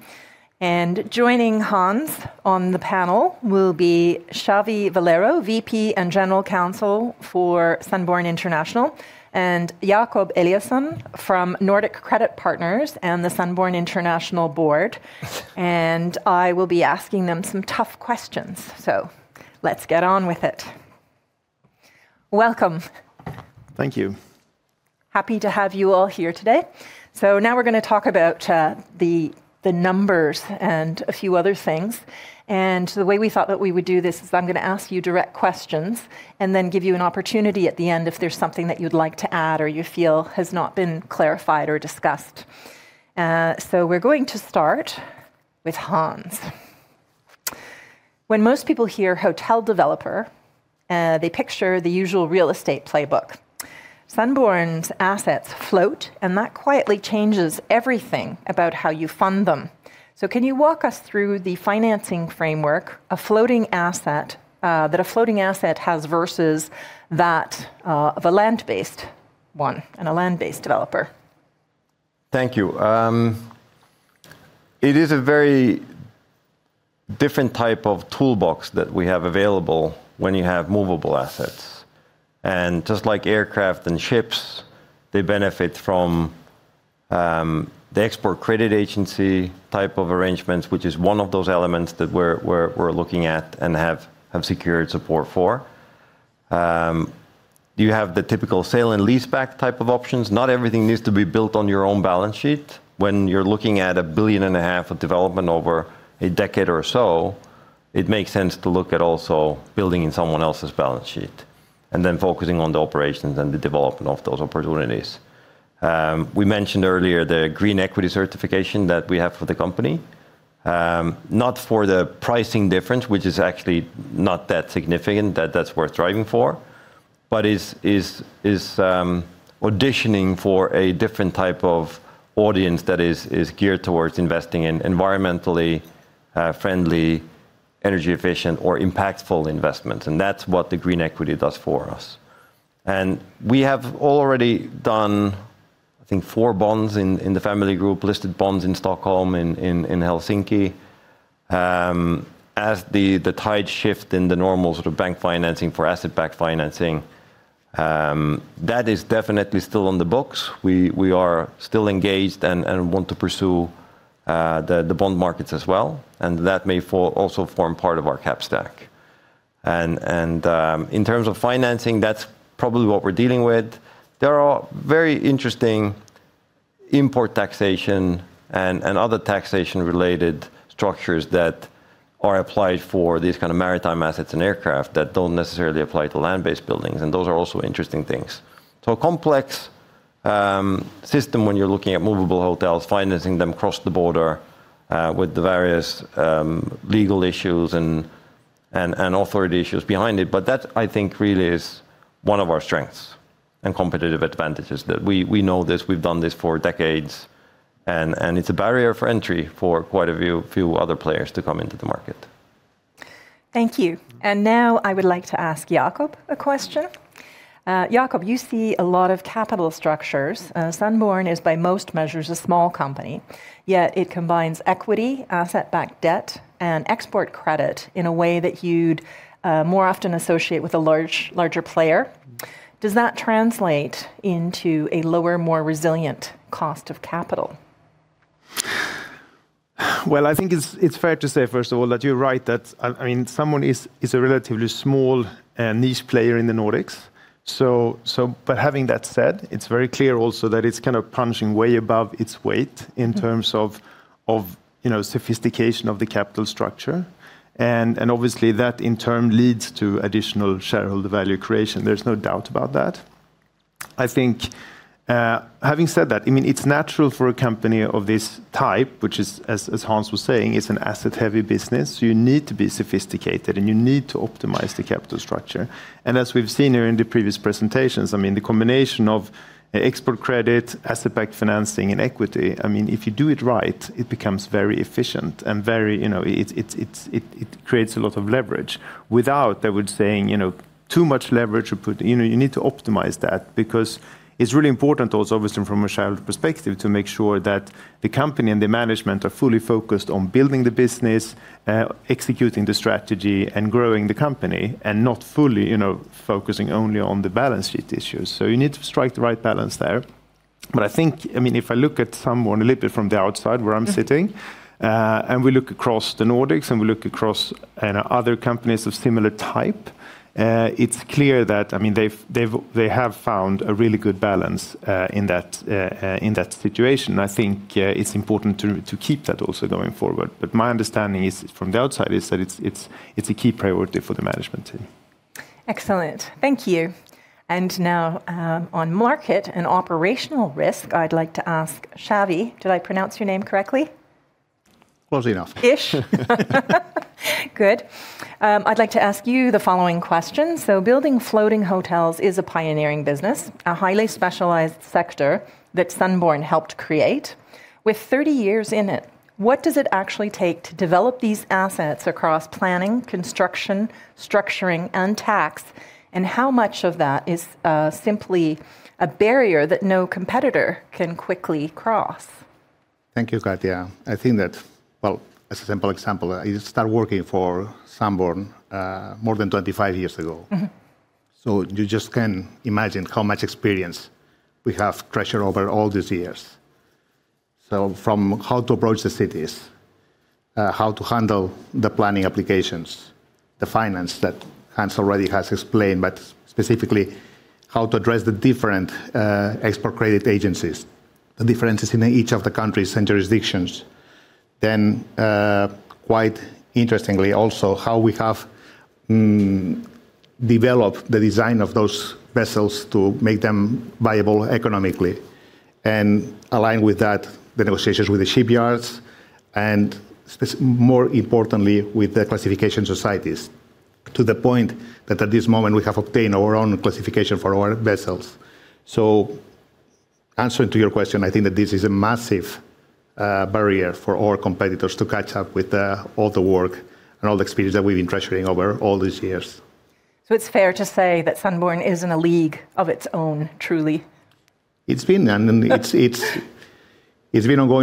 Joining Hans on the panel will be Xavier Valero, VP and general counsel for Sunborn International, and Jakob Eliasson from Nordic Credit Partners and the Sunborn International Board. I will be asking them some tough questions. Let's get on with it. Welcome. Thank you. Happy to have you all here today. Now we're going to talk about the numbers and a few other things. The way we thought that we would do this is I'm going to ask you direct questions and then give you an opportunity at the end if there's something that you'd like to add or you feel has not been clarified or discussed. We're going to start with Hans. When most people hear hotel developer, they picture the usual real estate playbook. Sunborn's assets float, and that quietly changes everything about how you fund them. Can you walk us through the financing framework that a floating asset has versus that of a land-based one and a land-based developer? Thank you. It is a very different type of toolbox that we have available when you have movable assets. Just like aircraft and ships, they benefit from the Export Credit Agency type of arrangements, which is one of those elements that we're looking at and have secured support for. You have the typical sale and leaseback type of options. Not everything needs to be built on your own balance sheet. When you're looking at a billion and a half of development over a decade or so, it makes sense to look at also building in someone else's balance sheet, and then focusing on the operations and the development of those opportunities. We mentioned earlier the Green Equity certification that we have for the company, not for the pricing difference, which is actually not that significant that that's worth striving for, but is auditioning for a different type of audience that is geared towards investing in environmentally friendly, energy efficient, or impactful investments, and that's what the Green Equity does for us. We have already done, I think, four bonds in the family group, listed bonds in Stockholm and in Helsinki. As the tides shift in the normal sort of bank financing for asset-backed financing, that is definitely still on the books. We are still engaged and want to pursue the bond markets as well, and that may also form part of our capital stack. In terms of financing, that's probably what we're dealing with. There are very interesting import taxation and other taxation-related structures that are applied for these kind of maritime assets and aircraft that don't necessarily apply to land-based buildings, and those are also interesting things. A complex system when you're looking at movable hotels, financing them cross the border with the various legal issues and authority issues behind it. That, I think, really is one of our strengths and competitive advantages, that we know this, we've done this for decades, and it's a barrier for entry for quite a few other players to come into the market. Thank you. Now I would like to ask Jakob a question. Jakob, you see a lot of capital structures. Sunborn is, by most measures, a small company, yet it combines equity, asset-backed debt, and export credit in a way that you'd more often associate with a larger player. Does that translate into a lower, more resilient cost of capital? Well, I think it's fair to say, first of all, that you're right that Sunborn is a relatively small and niche player in the Nordics. Having that said, it's very clear also that it's kind of punching way above its weight in terms of sophistication of the capital structure, and obviously, that in turn leads to additional shareholder value creation. There's no doubt about that. I think, having said that, it's natural for a company of this type, which is, as Hans was saying, is an asset-heavy business, you need to be sophisticated and you need to optimize the capital structure. As we've seen here in the previous presentations, the combination of export credit, asset-backed financing, and equity, if you do it right, it becomes very efficient and it creates a lot of leverage. Without, I would say, too much leverage. You need to optimize that because it's really important also, obviously, from a shareholder perspective, to make sure that the company and the management are fully focused on building the business, executing the strategy, and growing the company, and not fully focusing only on the balance sheet issues. You need to strike the right balance there. I think, if I look at Sunborn a little bit from the outside where I'm sitting, and we look across the Nordics and we look across other companies of similar type, it's clear that they have found a really good balance in that situation. I think it's important to keep that also going forward. My understanding from the outside is that it's a key priority for the management team. Excellent. Thank you. Now, on market and operational risk, I'd like to ask Xavier. Did I pronounce your name correctly? Close enough. Ish. Good. I'd like to ask you the following question. Building floating hotels is a pioneering business, a highly specialized sector that Sunborn helped create. With 30 years in it, what does it actually take to develop these assets across planning, construction, structuring, and tax, and how much of that is simply a barrier that no competitor can quickly cross? Thank you, Katja. I think that, well, as a simple example, I start working for Sunborn more than 25 years ago. You just can imagine how much experience we have treasured over all these years. From how to approach the cities, how to handle the planning applications, the finance that Hans already has explained, but specifically, how to address the different Export Credit Agencies, the differences in each of the countries and jurisdictions. Quite interestingly also, how we have developed the design of those vessels to make them viable economically, and aligned with that, the negotiations with the shipyards, and more importantly, with the Classification Societies, to the point that at this moment, we have obtained our own classification for our vessels. Answering to your question, I think that this is a massive barrier for our competitors to catch up with all the work and all the experience that we've been treasuring over all these years. It's fair to say that Sunborn is in a league of its own, truly. It's been ongoing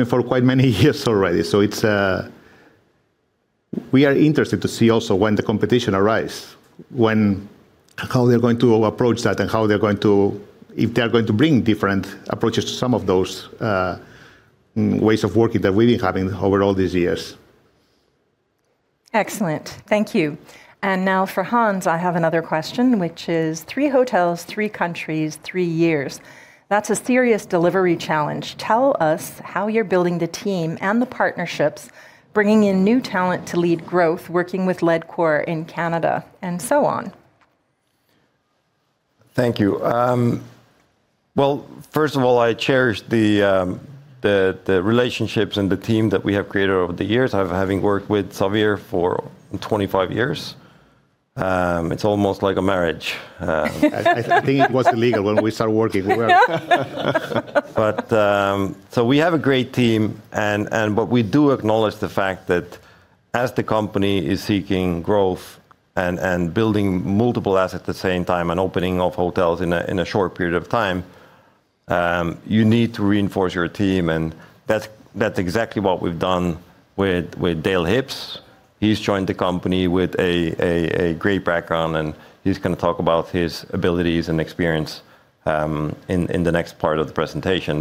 for quite many years already. We are interested to see also when the competition arise, how they're going to approach that and if they're going to bring different approaches to some of those ways of working that we've been having over all these years. Excellent. Thank you. Now for Hans, I have another question, which is three hotels, three countries, three years. That's a serious delivery challenge. Tell us how you're building the team and the partnerships, bringing in new talent to lead growth, working with Ledcor in Canada and so on. Thank you. Well, first of all, I cherish the relationships and the team that we have created over the years. Having worked with Xavier for 25 years, it's almost like a marriage. I think it was illegal when we started working. We have a great team, but we do acknowledge the fact that as the company is seeking growth and building multiple assets at the same time and opening of hotels in a short period of time, you need to reinforce your team. That's exactly what we've done with Dale Hipsh. He's joined the company with a great background, and he's going to talk about his abilities and experience in the next part of the presentation.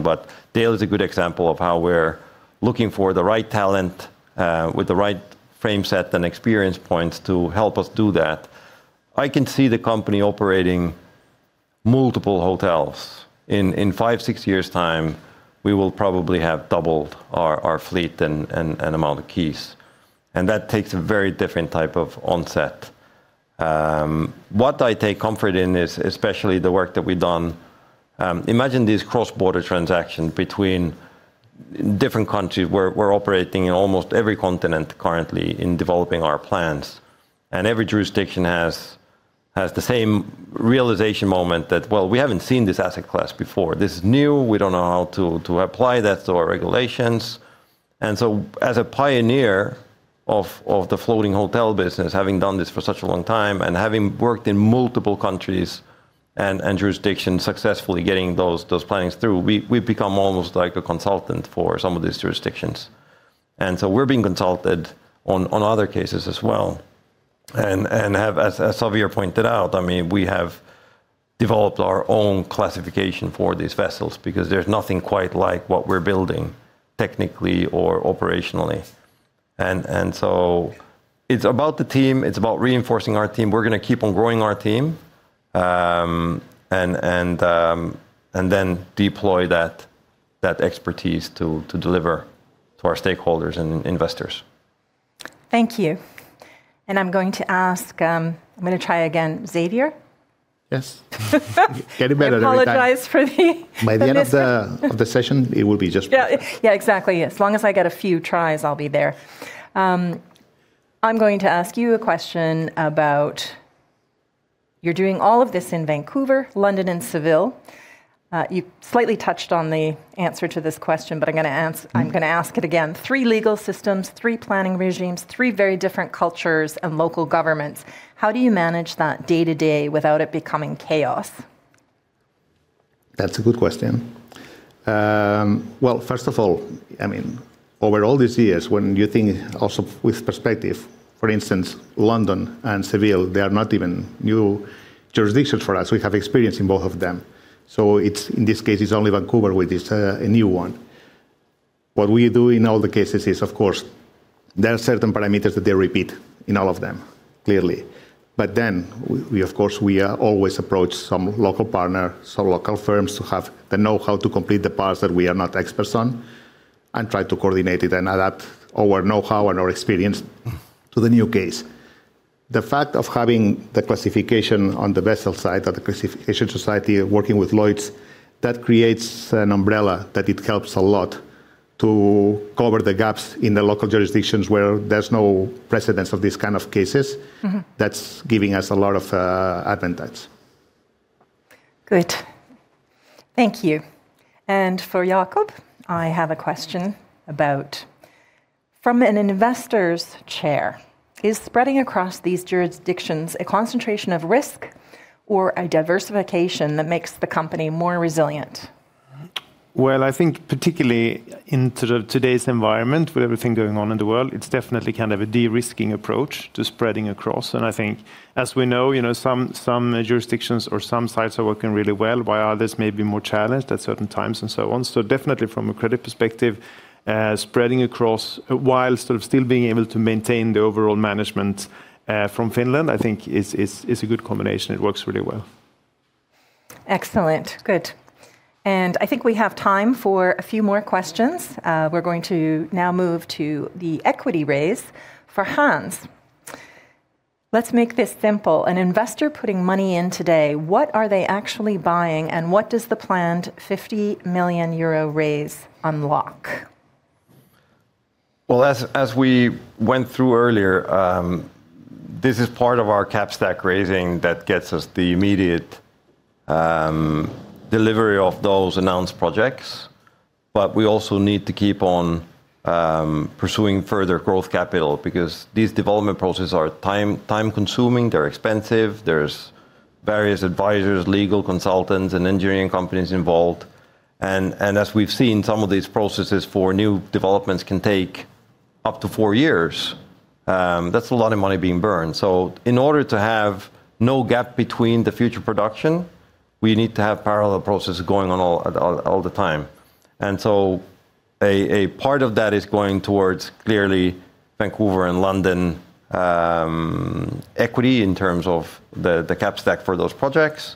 Dale is a good example of how we're looking for the right talent, with the right frame set and experience points to help us do that. I can see the company operating multiple hotels. In five, six years' time, we will probably have doubled our fleet and amount of keys. That takes a very different type of onset. What I take comfort in is, especially the work that we've done, imagine these cross-border transactions between different countries. We're operating in almost every continent currently in developing our plans, and every jurisdiction has the same realization moment that we haven't seen this asset class before. This is new. We don't know how to apply that to our regulations. As a pioneer of the floating hotel business, having done this for such a long time and having worked in multiple countries and jurisdictions successfully getting those plans through, we've become almost like a consultant for some of these jurisdictions. We're being consulted on other cases as well and have, as Xavier pointed out, we have developed our own classification for these vessels because there's nothing quite like what we're building technically or operationally. It's about the team, it's about reinforcing our team. We're going to keep on growing our team. Then deploy that expertise to deliver to our stakeholders and investors. Thank you. I'm going to try again, Xavier? Yes. Getting better every time. I apologize for the- By the end of the session, it will be just perfect. Yeah, exactly. As long as I get a few tries, I'll be there. I'm going to ask you a question about you're doing all of this in Vancouver, London, and Seville. You slightly touched on the answer to this question. I'm going to ask it again. Three legal systems, three planning regimes, three very different cultures and local governments. How do you manage that day to day without it becoming chaos? That's a good question. Well, first of all, over all these years, when you think also with perspective, for instance, London and Seville, they are not even new jurisdictions for us. We have experience in both of them. In this case, it's only Vancouver, which is a new one. What we do in all the cases is, of course, there are certain parameters that they repeat in all of them, clearly. We of course, we always approach some local partner, some local firms who have the knowhow to complete the parts that we are not experts on and try to coordinate it and adapt our knowhow and our experience to the new case. The fact of having the classification on the vessel side, or the Classification Society working with Lloyd's, that creates an umbrella that it helps a lot to cover the gaps in the local jurisdictions where there's no precedence of these kind of cases. That's giving us a lot of advantage. Thank you. For Jakob, I have a question about, from an investor's chair, is spreading across these jurisdictions a concentration of risk or a diversification that makes the company more resilient? Well, I think particularly into today's environment, with everything going on in the world, it's definitely kind of a de-risking approach to spreading across. I think, as we know, some jurisdictions or some sites are working really well, while others may be more challenged at certain times and so on. Definitely from a credit perspective, spreading across while still being able to maintain the overall management from Finland, I think is a good combination. It works really well. Excellent. Good. I think we have time for a few more questions. We're going to now move to the equity raise for Hans. Let's make this simple. An investor putting money in today, what are they actually buying and what does the planned 50 million euro raise unlock? Well, as we went through earlier, this is part of our capital stack raising that gets us the immediate delivery of those announced projects. We also need to keep on pursuing further growth capital because these development processes are time consuming. They're expensive. There's various advisors, legal consultants, and engineering companies involved. As we've seen, some of these processes for new developments can take up to four years. That's a lot of money being burned. In order to have no gap between the future production, we need to have parallel processes going on all the time. A part of that is going towards clearly Vancouver and London equity in terms of the capital stack for those projects.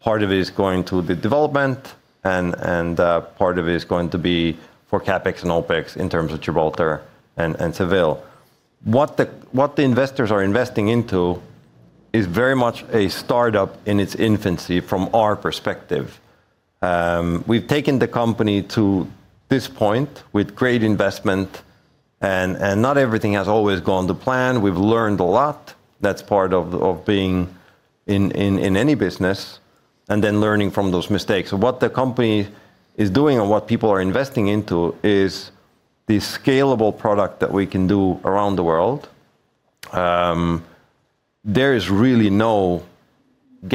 Part of it is going to the development and part of it is going to be for CapEx and OpEx in terms of Gibraltar and Seville. What the investors are investing into is very much a startup in its infancy from our perspective. We've taken the company to this point with great investment and not everything has always gone to plan. We've learned a lot. That's part of being in any business and then learning from those mistakes. What the company is doing and what people are investing into is the scalable product that we can do around the world. There is really no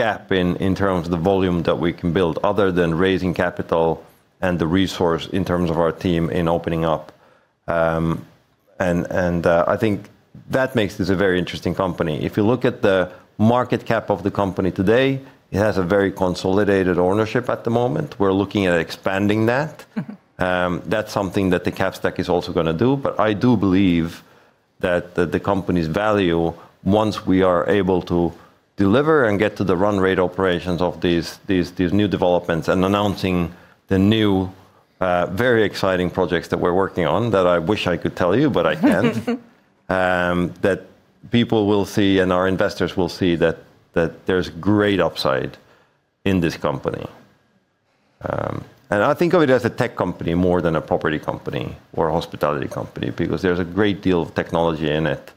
gap in terms of the volume that we can build other than raising capital and the resource in terms of our team in opening up. I think that makes this a very interesting company. If you look at the market cap of the company today, it has a very consolidated ownership at the moment. We're looking at expanding that. That's something that the capital stack is also going to do. I do believe that the company's value, once we are able to deliver and get to the run rate operations of these new developments and announcing the new, very exciting projects that we're working on, that I wish I could tell you, but I can't. That people will see and our investors will see that there's great upside in this company. I think of it as a tech company more than a property company or a hospitality company, because there's a great deal of technology in it.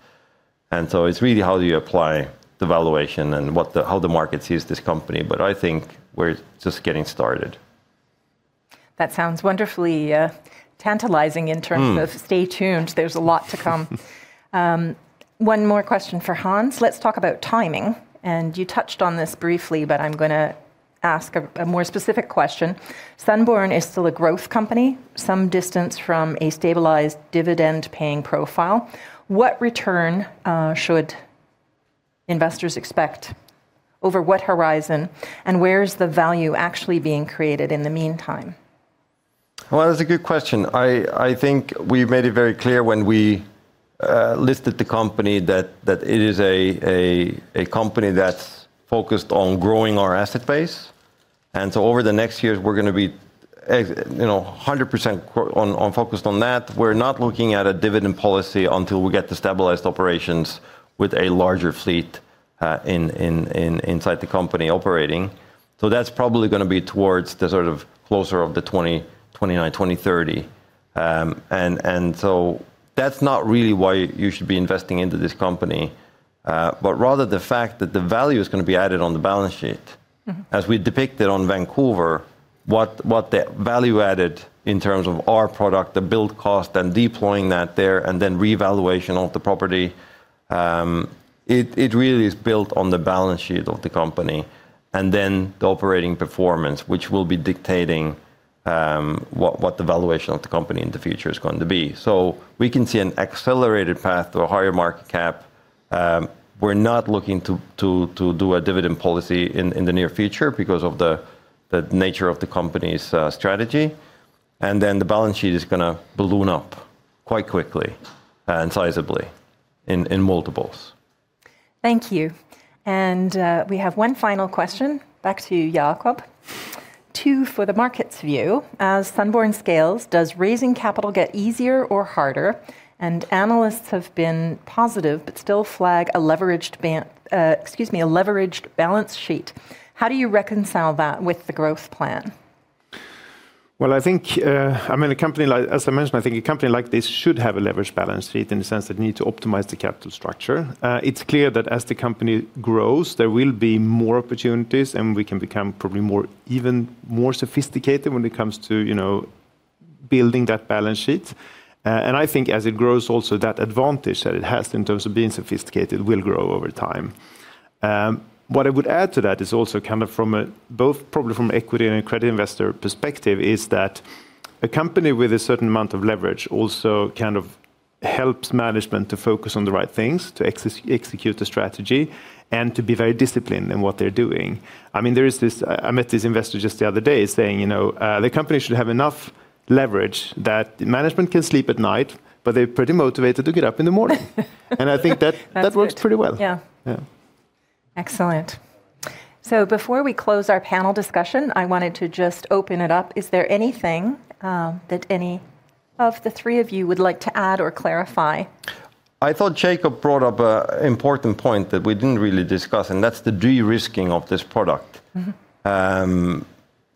It's really how you apply the valuation and how the markets use this company. I think we're just getting started. That sounds wonderfully tantalizing in terms- of stay tuned, there's a lot to come. One more question for Hans. Let's talk about timing. You touched on this briefly, I'm going to ask a more specific question. Sunborn is still a growth company, some distance from a stabilized dividend paying profile. What return should investors expect over what horizon, and where is the value actually being created in the meantime? Well, that's a good question. I think we've made it very clear when we listed the company that it is a company that's focused on growing our asset base. Over the next years, we're going to be 100% focused on that. We're not looking at a dividend policy until we get to stabilized operations with a larger fleet inside the company operating. That's probably going to be towards the sort of closer of 2029, 2030. That's not really why you should be investing into this company, but rather the fact that the value is going to be added on the balance sheet. As we depicted on Vancouver, what the value added in terms of our product, the build cost and deploying that there, and then revaluation of the property, it really is built on the balance sheet of the company, and then the operating performance, which will be dictating what the valuation of the company in the future is going to be. We can see an accelerated path to a higher market cap. We're not looking to do a dividend policy in the near future because of the nature of the company's strategy. The balance sheet is going to balloon up quite quickly and sizably in multiples. Thank you. We have one final question. Back to Jakob. Two for the markets view. As Sunborn scales, does raising capital get easier or harder? Analysts have been positive but still flag a leveraged balance sheet. How do you reconcile that with the growth plan? Well, as I mentioned, I think a company like this should have a leveraged balance sheet in the sense that you need to optimize the capital structure. It's clear that as the company grows, there will be more opportunities and we can become probably even more sophisticated when it comes to building that balance sheet. I think as it grows also, that advantage that it has in terms of being sophisticated will grow over time. What I would add to that is also kind of from both probably from equity and a credit investor perspective, is that a company with a certain amount of leverage also kind of helps management to focus on the right things, to execute the strategy, and to be very disciplined in what they're doing. I met this investor just the other day saying, "The company should have enough leverage that management can sleep at night, but they're pretty motivated to get up in the morning." I think that works pretty well. Yeah. Excellent. Before we close our panel discussion, I wanted to just open it up. Is there anything that any of the three of you would like to add or clarify? I thought Jakob brought up an important point that we didn't really discuss, that's the de-risking of this product.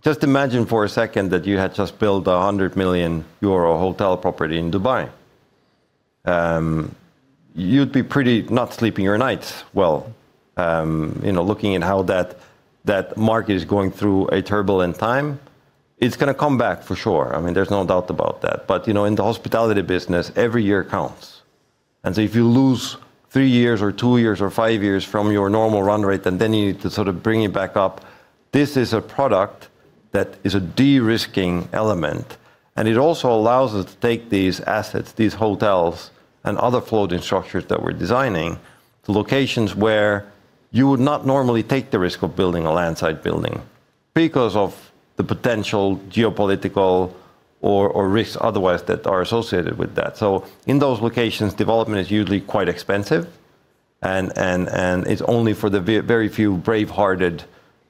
Just imagine for a second that you had just built a 100 million euro hotel property in Dubai. You'd be not sleeping your nights well. Looking at how that market is going through a turbulent time, it's going to come back for sure. There's no doubt about that. In the hospitality business, every year counts. If you lose three years or two years or five years from your normal run rate, then you need to sort of bring it back up, this is a product that is a de-risking element. It also allows us to take these assets, these hotels and other floating structures that we're designing, to locations where you would not normally take the risk of building a landside building because of the potential geopolitical or risks otherwise that are associated with that. In those locations, development is usually quite expensive and it's only for the very few brave-hearted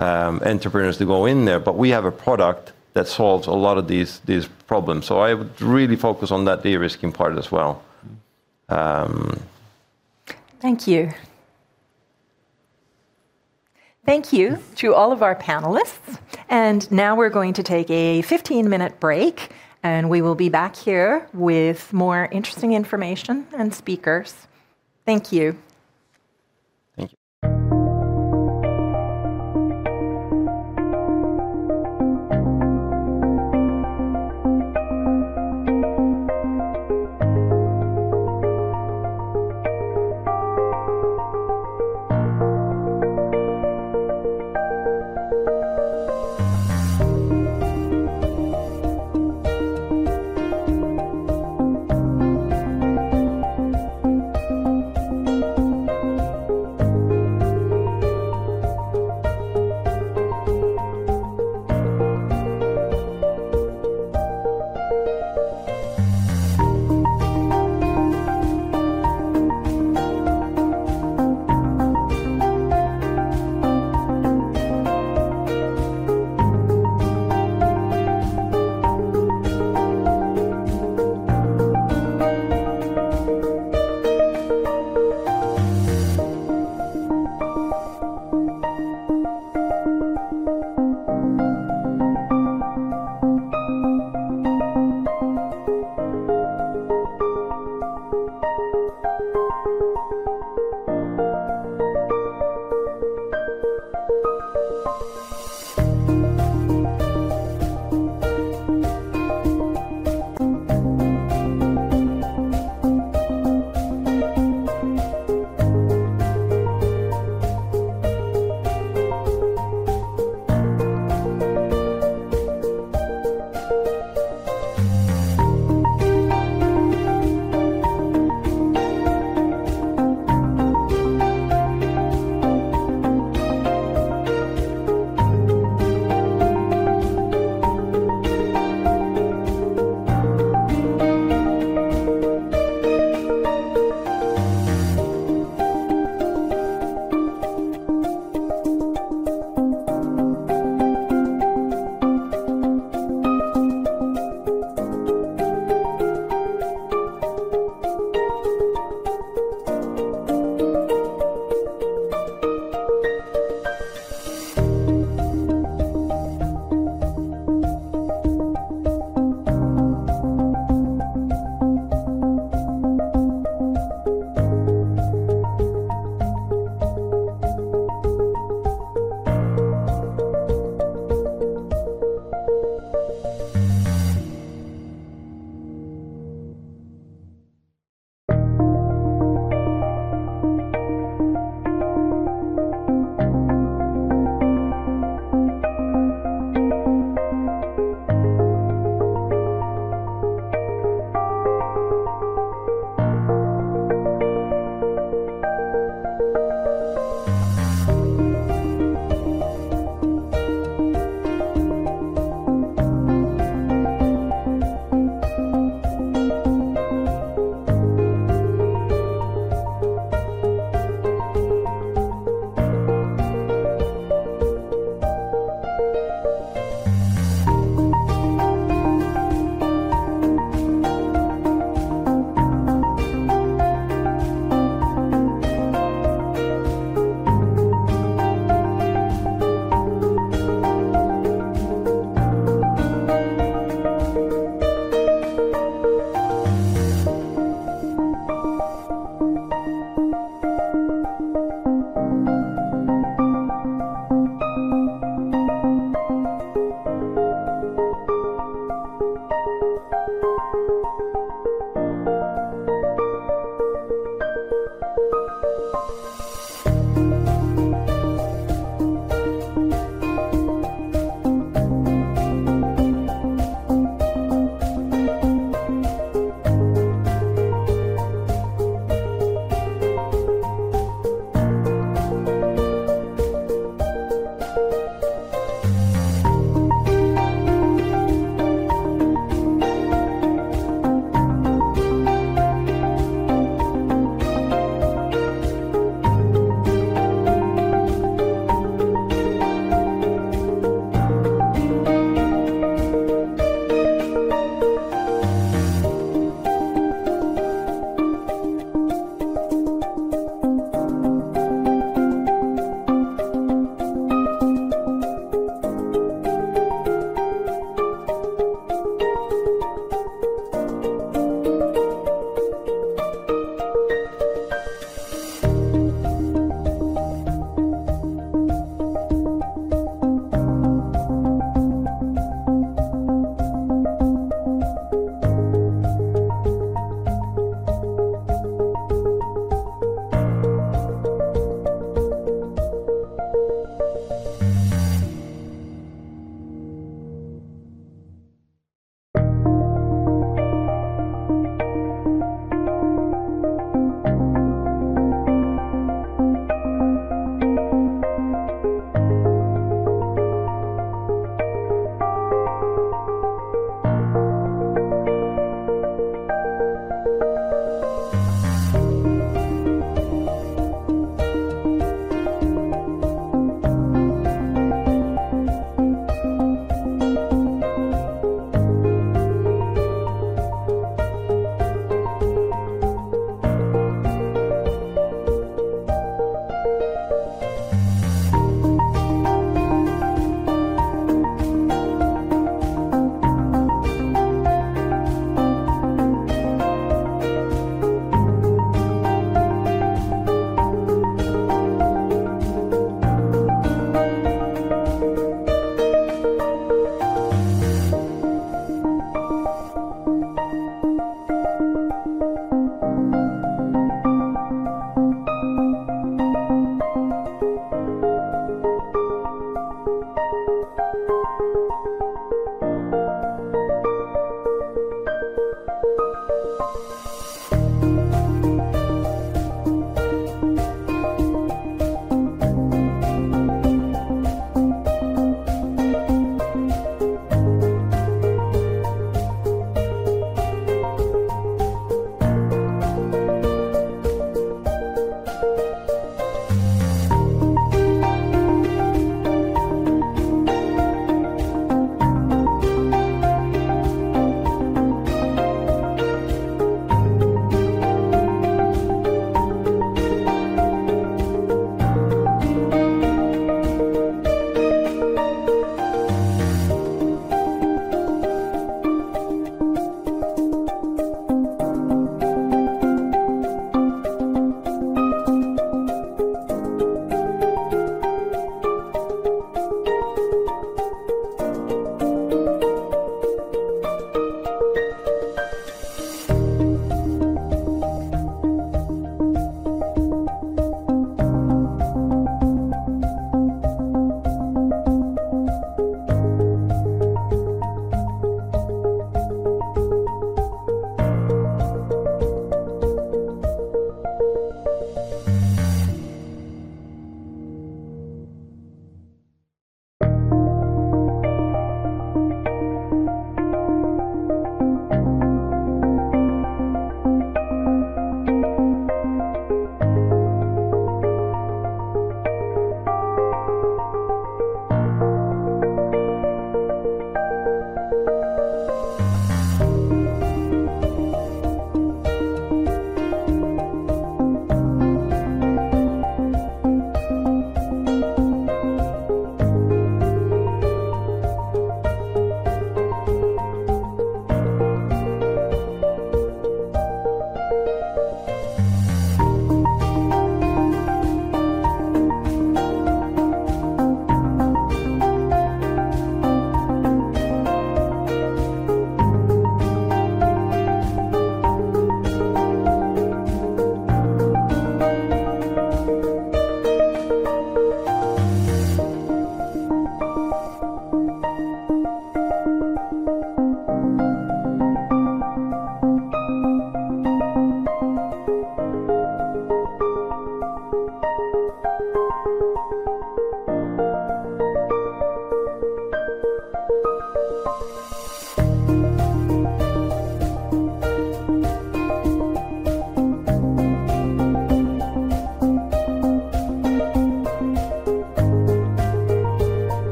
entrepreneurs to go in there. We have a product that solves a lot of these problems. I would really focus on that de-risking part as well. Thank you. Thank you to all of our panelists. Now we're going to take a 15-minute break, and we will be back here with more interesting information and speakers. Thank you.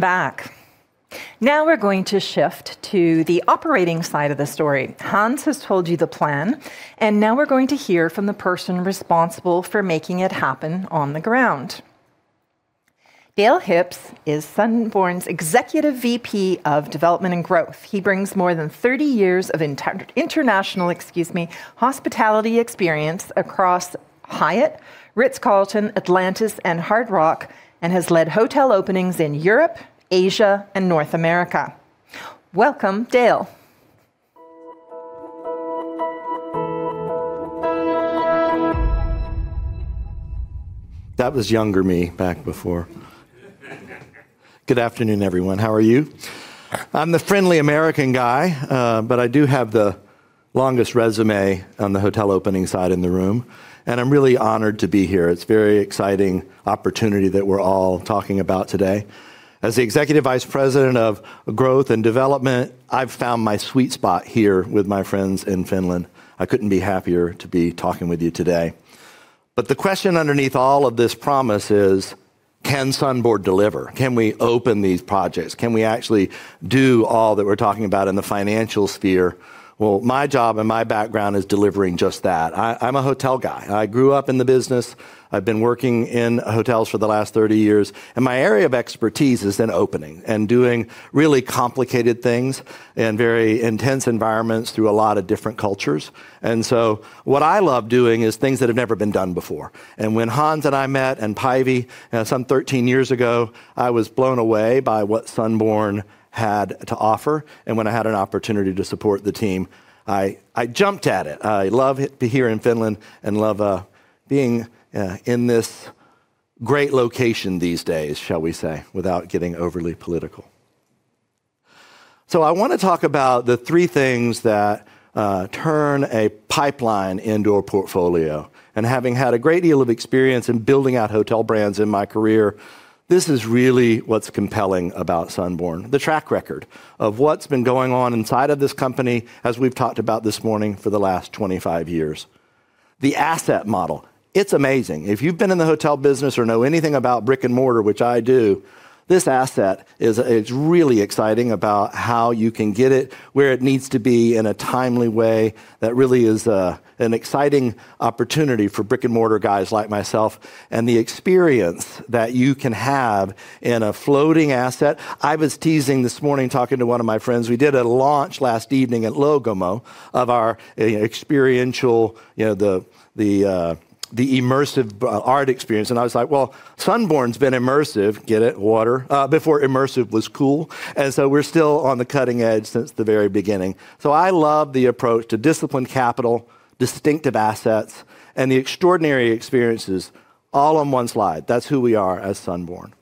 Welcome back. Now we're going to shift to the operating side of the story. Hans has told you the plan, and now we're going to hear from the person responsible for making it happen on the ground. Dale Hipsh is Sunborn's Executive VP of Development and Growth. He brings more than 30 years of international hospitality experience across Hyatt, Ritz-Carlton, Atlantis, and Hard Rock, and has led hotel openings in Europe, Asia, and North America. Welcome, Dale. That was younger me back before. Good afternoon, everyone. How are you? I'm the friendly American guy, but I do have the longest resume on the hotel opening side in the room, and I'm really honored to be here. It's very exciting opportunity that we're all talking about today. As the Executive Vice President of Growth and Development, I've found my sweet spot here with my friends in Finland. I couldn't be happier to be talking with you today. The question underneath all of this promise is, can Sunborn deliver? Can we open these projects? Can we actually do all that we're talking about in the financial sphere? My job and my background is delivering just that. I'm a hotel guy. I grew up in the business. I've been working in hotels for the last 30 years, and my area of expertise is in opening and doing really complicated things in very intense environments through a lot of different cultures. What I love doing is things that have never been done before. When Hans and I met, and Päivi some 13 years ago, I was blown away by what Sunborn had to offer. When I had an opportunity to support the team, I jumped at it. I love to be here in Finland and love being in this great location these days, shall we say, without getting overly political. I want to talk about the three things that turn a pipeline into a portfolio, and having had a great deal of experience in building out hotel brands in my career, this is really what's compelling about Sunborn. The track record of what's been going on inside of this company, as we've talked about this morning, for the last 25 years. The asset model. It's amazing. If you've been in the hotel business or know anything about brick and mortar, which I do, this asset is really exciting about how you can get it where it needs to be in a timely way. That really is an exciting opportunity for brick and mortar guys like myself, and the experience that you can have in a floating asset. I was teasing this morning, talking to one of my friends. We did a launch last evening at Logomo of our experiential, the immersive art experience. I was like, "Sunborn's been immersive," get it, water, before immersive was cool. We're still on the cutting edge since the very beginning. I love the approach to discipline capital, distinctive assets, and the extraordinary experiences all on one slide. That's who we are as Sunborn.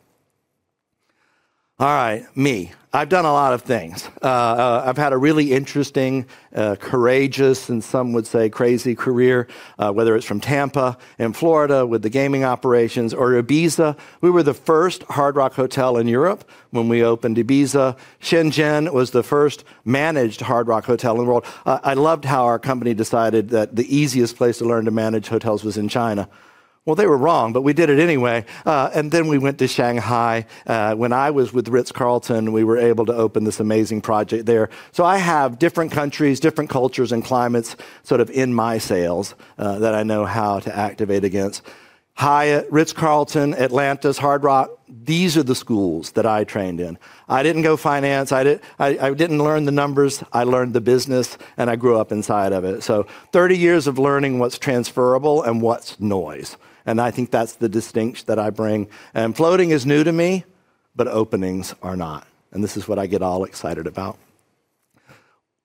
All right. Me. I've done a lot of things. I've had a really interesting, courageous, and some would say, crazy career, whether it's from Tampa in Florida with the gaming operations or Ibiza. We were the first Hard Rock Hotel in Europe when we opened Ibiza. Shenzhen was the first managed Hard Rock Hotel in the world. I loved how our company decided that the easiest place to learn to manage hotels was in China. They were wrong, but we did it anyway. We went to Shanghai. When I was with Ritz-Carlton, we were able to open this amazing project there. I have different countries, different cultures, and climates sort of in my sails that I know how to activate against. Hyatt, Ritz-Carlton, Atlantis, Hard Rock, these are the schools that I trained in. I didn't go finance. I didn't learn the numbers. I learned the business, and I grew up inside of it. 30 years of learning what's transferable and what's noise, and I think that's the distinct that I bring. Floating is new to me, but openings are not, and this is what I get all excited about.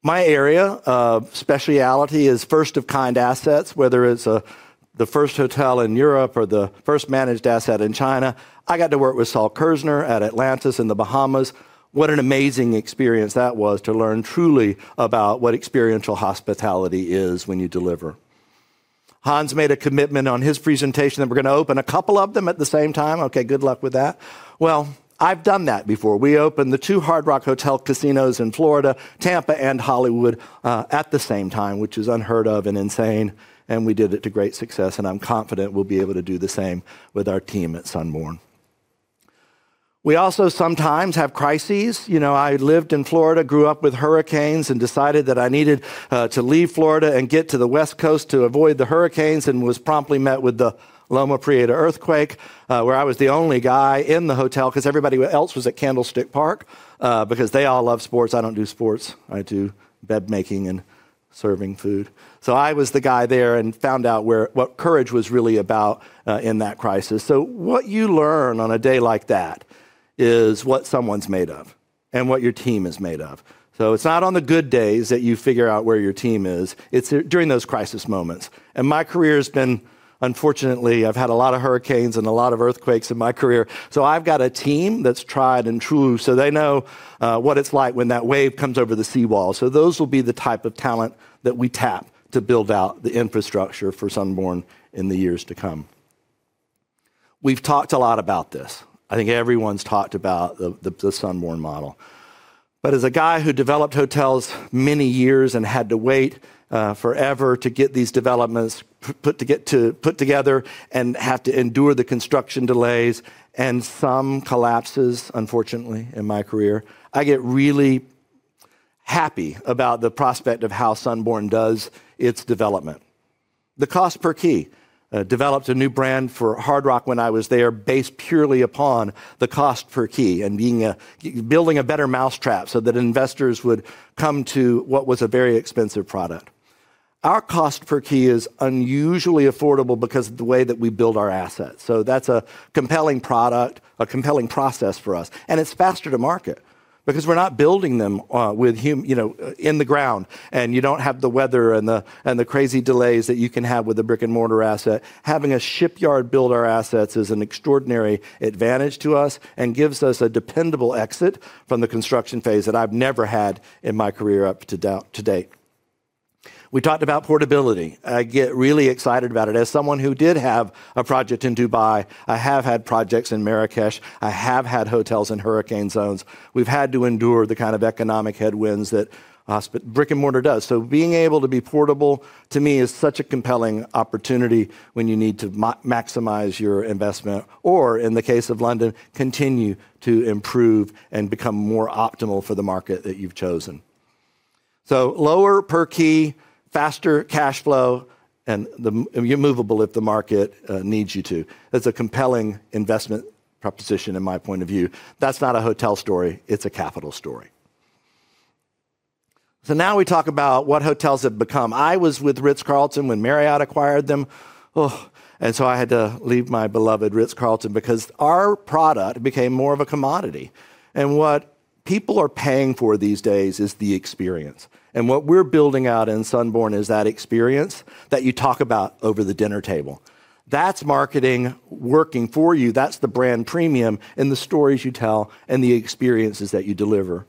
My area of specialty is first of kind assets, whether it's the first hotel in Europe or the first managed asset in China. I got to work with Sol Kerzner at Atlantis in the Bahamas. What an amazing experience that was to learn truly about what experiential hospitality is when you deliver. Hans made a commitment on his presentation that we're going to open a couple of them at the same time. Okay, good luck with that. I've done that before. We opened the two Hard Rock Hotel casinos in Florida, Tampa and Hollywood, at the same time, which is unheard of and insane, and we did it to great success, and I'm confident we'll be able to do the same with our team at Sunborn. We also sometimes have crises. I lived in Florida, grew up with hurricanes, and decided that I needed to leave Florida and get to the West Coast to avoid the hurricanes, and was promptly met with the Loma Prieta earthquake where I was the only guy in the hotel because everybody else was at Candlestick Park because they all love sports. I don't do sports. I do bed making and serving food. I was the guy there and found out what courage was really about in that crisis. What you learn on a day like that is what someone's made of and what your team is made of. It's not on the good days that you figure out where your team is. It's during those crisis moments. My career has been unfortunately, I've had a lot of hurricanes and a lot of earthquakes in my career. I've got a team that's tried and true, so they know what it's like when that wave comes over the seawall. Those will be the type of talent that we tap to build out the infrastructure for Sunborn in the years to come. We've talked a lot about this. I think everyone's talked about the Sunborn model. As a guy who developed hotels many years and had to wait forever to get these developments put together and have to endure the construction delays and some collapses, unfortunately, in my career, I get really happy about the prospect of how Sunborn does its development. The cost per key. Developed a new brand for Hard Rock when I was there, based purely upon the cost per key and building a better mouse trap so that investors would come to what was a very expensive product. Our cost per key is unusually affordable because of the way that we build our assets. That's a compelling product, a compelling process for us, and it's faster to market because we're not building them in the ground, and you don't have the weather and the crazy delays that you can have with a brick and mortar asset. Having a shipyard build our assets is an extraordinary advantage to us and gives us a dependable exit from the construction phase that I've never had in my career up to date. We talked about portability. I get really excited about it. As someone who did have a project in Dubai, I have had projects in Marrakech, I have had hotels in hurricane zones. We've had to endure the kind of economic headwinds that brick and mortar does. Being able to be portable, to me, is such a compelling opportunity when you need to maximize your investment, or in the case of London, continue to improve and become more optimal for the market that you've chosen. Lower per key, faster cash flow, and you're movable if the market needs you to. That's a compelling investment proposition in my point of view. That's not a hotel story, it's a capital story. Now we talk about what hotels have become. I was with Ritz-Carlton when Marriott acquired them, I had to leave my beloved Ritz-Carlton because our product became more of a commodity. What people are paying for these days is the experience. What we're building out in Sunborn is that experience that you talk about over the dinner table. That's marketing working for you. That's the brand premium and the stories you tell and the experiences that you deliver.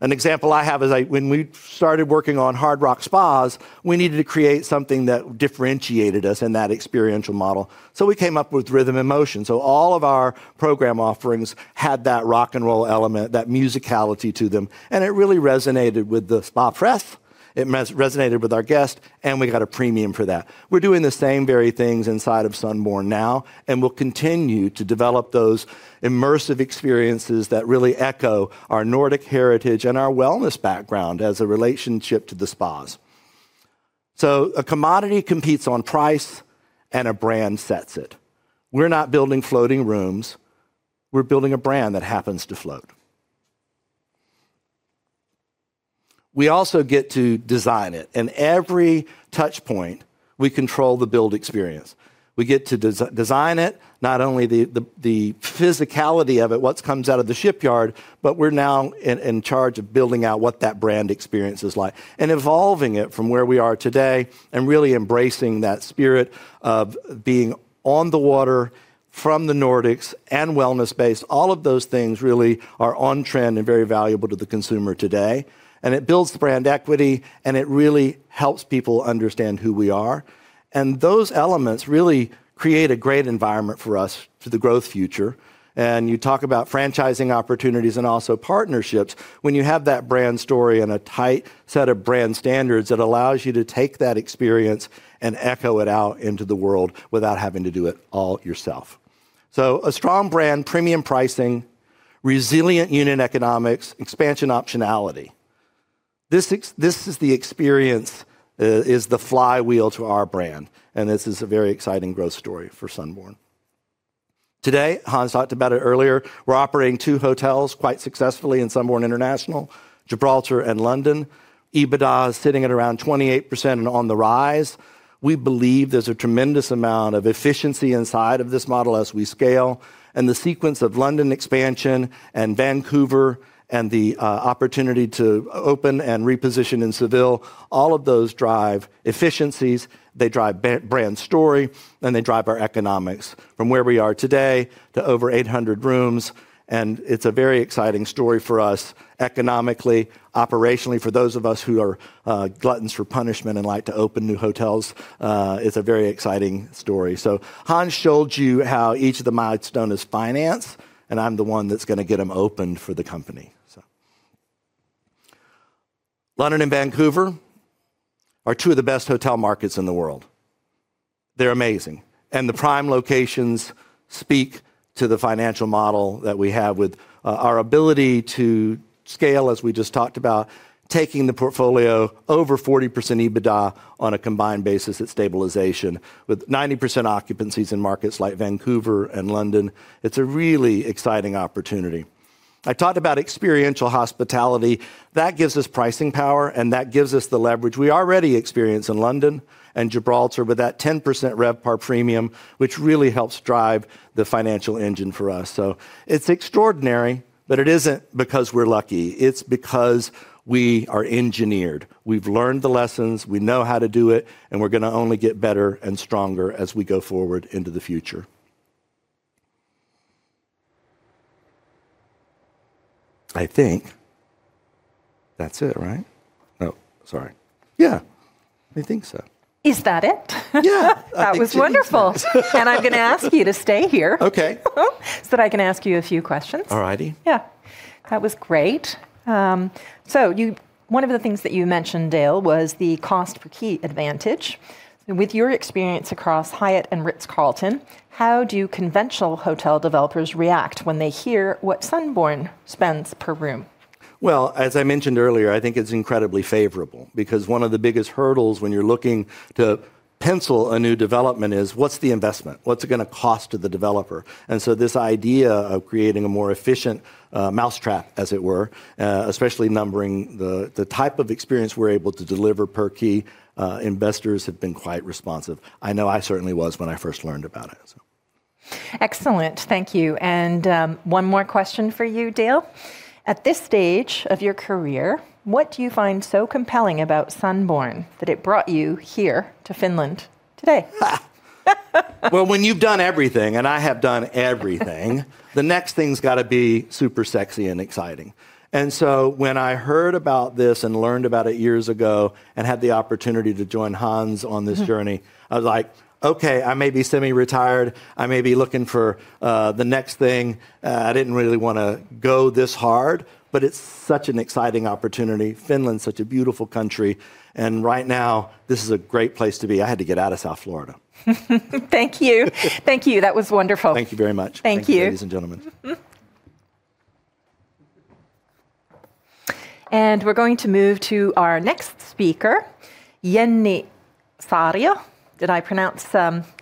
An example I have is when we started working on Rock Spas, we needed to create something that differentiated us in that experiential model. We came up with Rhythm & Motion. All of our program offerings had that rock and roll element, that musicality to them, and it really resonated with the spa press. It resonated with our guest, and we got a premium for that. We're doing the same very things inside of Sunborn now, and we'll continue to develop those immersive experiences that really echo our Nordic heritage and our wellness background as a relationship to the spas. A commodity competes on price, and a brand sets it. We're not building floating rooms. We're building a brand that happens to float. We also get to design it. In every touch point, we control the build experience. We get to design it, not only the physicality of it, what comes out of the shipyard, but we're now in charge of building out what that brand experience is like and evolving it from where we are today and really embracing that spirit of being on the water from the Nordics and wellness-based. All of those things really are on trend and very valuable to the consumer today. It builds the brand equity, and it really helps people understand who we are. Those elements really create a great environment for us for the growth future. You talk about franchising opportunities and also partnerships. When you have that brand story and a tight set of brand standards, it allows you to take that experience and echo it out into the world without having to do it all yourself. A strong brand, premium pricing, resilient unit economics, expansion optionality. This is the experience is the flywheel to our brand. This is a very exciting growth story for Sunborn. Today, Hans talked about it earlier, we're operating two hotels quite successfully in Sunborn International, Gibraltar and London. EBITDA is sitting at around 28% and on the rise. We believe there's a tremendous amount of efficiency inside of this model as we scale, the sequence of London expansion and Vancouver and the opportunity to open and reposition in Seville, all of those drive efficiencies, they drive brand story, and they drive our economics from where we are today to over 800 rooms. It's a very exciting story for us economically, operationally, for those of us who are gluttons for punishment and like to open new hotels, it's a very exciting story. Hans showed you how each of the milestone is financed. I'm the one that's going to get them opened for the company. London and Vancouver are two of the best hotel markets in the world. They're amazing. The prime locations speak to the financial model that we have with our ability to scale, as we just talked about, taking the portfolio over 40% EBITDA on a combined basis at stabilization with 90% occupancies in markets like Vancouver and London. It's a really exciting opportunity. I talked about experiential hospitality. That gives us pricing power. That gives us the leverage we already experience in London and Gibraltar with that 10% RevPAR premium, which really helps drive the financial engine for us. It's extraordinary, but it isn't because we're lucky. It's because we are engineered. We've learned the lessons, we know how to do it. We're going to only get better and stronger as we go forward into the future. I think that's it, right? Oh, sorry. Yeah, I think so. Is that it? Yeah, I think that's it. That was wonderful. I'm going to ask you to stay here. Okay that I can ask you a few questions. All righty. Yes. That was great. One of the things that you mentioned, Dale, was the cost per key advantage. With your experience across Hyatt and Ritz-Carlton, how do conventional hotel developers react when they hear what Sunborn spends per room? Well, as I mentioned earlier, I think it's incredibly favorable because one of the biggest hurdles when you're looking to pencil a new development is what's the investment? What's it going to cost to the developer? This idea of creating a more efficient mousetrap, as it were, especially numbering the type of experience we're able to deliver per key, investors have been quite responsive. I know I certainly was when I first learned about it. Excellent. Thank you. One more question for you, Dale. At this stage of your career, what do you find so compelling about Sunborn that it brought you here to Finland today? Well, when you've done everything, and I have done everything, the next thing's got to be super sexy and exciting. When I heard about this and learned about it years ago and had the opportunity to join Hans on this journey, I was like, "Okay, I may be semi-retired. I may be looking for the next thing." I didn't really want to go this hard, but it's such an exciting opportunity. Finland's such a beautiful country, and right now this is a great place to be. I had to get out of South Florida. Thank you. Thank you. That was wonderful. Thank you very much. Thank you. Thank you, ladies and gentlemen. We're going to move to our next speaker, Jenni Saario.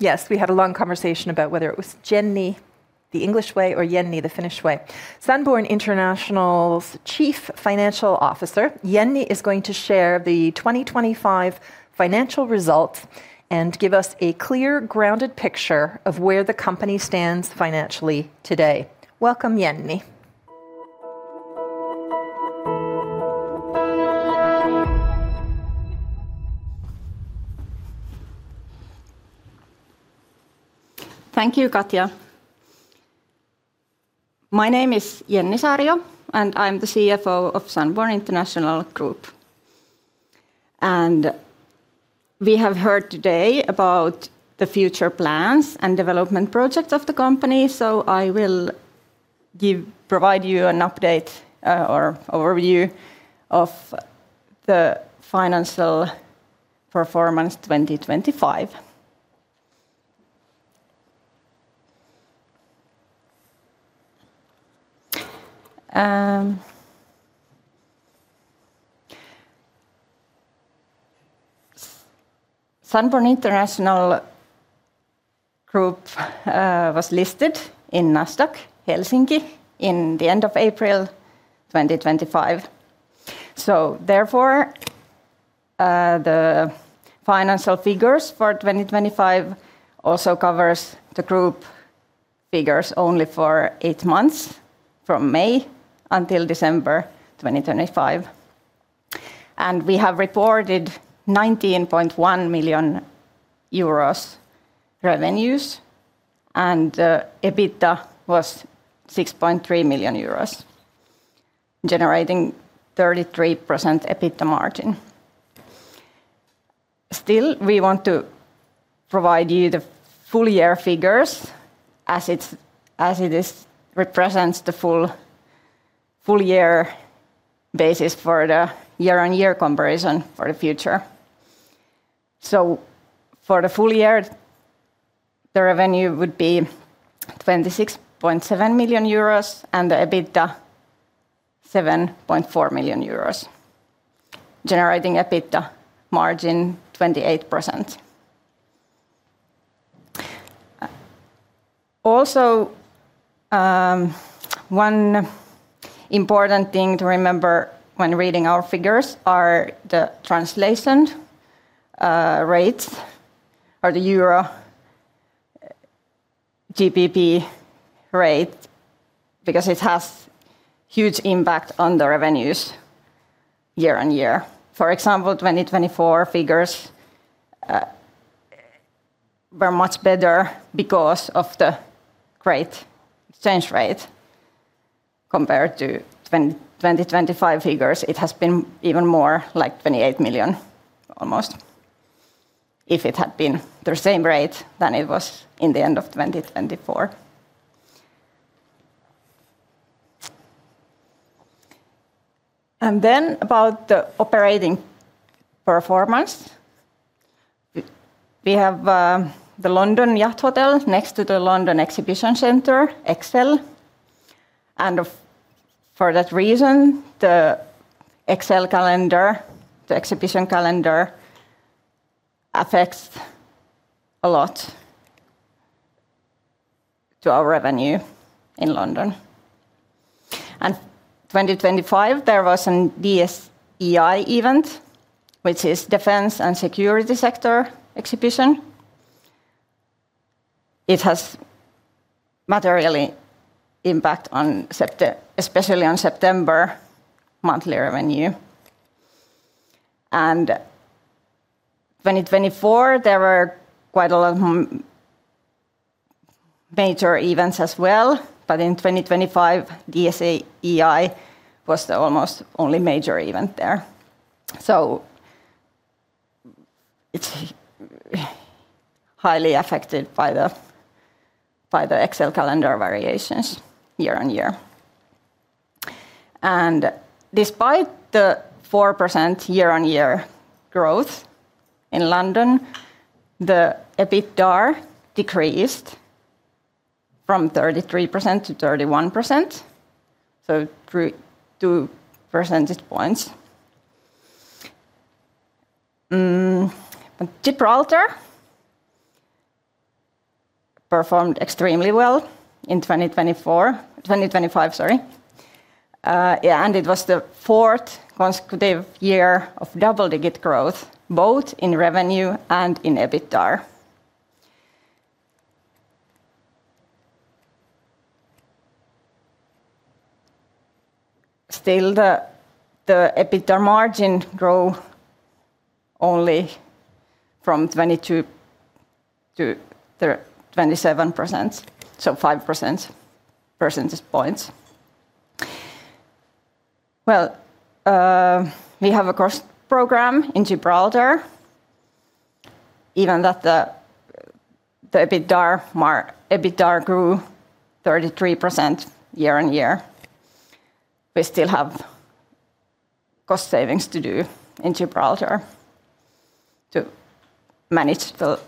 Yes, we had a long conversation about whether it was Jenny the English way or Jenni the Finnish way. Sunborn International's Chief Financial Officer, Jenni, is going to share the 2025 financial results and give us a clear, grounded picture of where the company stands financially today. Welcome, Jenni. Thank you, Katja. My name is Jenni Saario, and I'm the CFO of Sunborn International Group. We have heard today about the future plans and development projects of the company. I will provide you an update or overview of the financial performance 2025. Sunborn International Group was listed in Nasdaq Helsinki in the end of April 2025. Therefore, the financial figures for 2025 also covers the group figures only for eight months, from May until December 2025. We have reported 19.1 million euros revenues, and EBITDA was 6.3 million euros, generating 33% EBITDA margin. Still, we want to provide you the full year figures as it represents the full year basis for the year-on-year comparison for the future. For the full year, the revenue would be 26.7 million euros and the EBITDA 7.4 million euros, generating EBITDA margin 28%. Also, one important thing to remember when reading our figures are the translation rates or the euro GBP rate, because it has huge impact on the revenues year-on-year. For example, 2024 figures were much better because of the great exchange rate compared to 2025 figures, it has been even more, like 28 million almost, if it had been the same rate than it was in the end of 2024. Then about the operating performance. We have the London Yacht Hotel next to the London Exhibition Center, ExCeL, and for that reason, the ExCeL calendar, the exhibition calendar, affects a lot to our revenue in London. 2025 there was a DSEI event, which is Defense and Security sector exhibition. It has materially impact, especially on September monthly revenue. 2024, there were quite a lot of major events as well. In 2025, DSEI was the almost only major event there. It's highly affected by the ExCeL calendar variations year-on-year. Despite the four percent year-on-year growth in London, the EBITDA decreased from 33% to 31%, so two percentage points. Gibraltar performed extremely well in 2025. It was the fourth consecutive year of double-digit growth, both in revenue and in EBITDA. Still, the EBITDA margin grow only from 22% to 27%, so five percentage points. Well, we have a cost program in Gibraltar. Even that the EBITDA grew 33% year-on-year, we still have cost savings to do in Gibraltar to manage the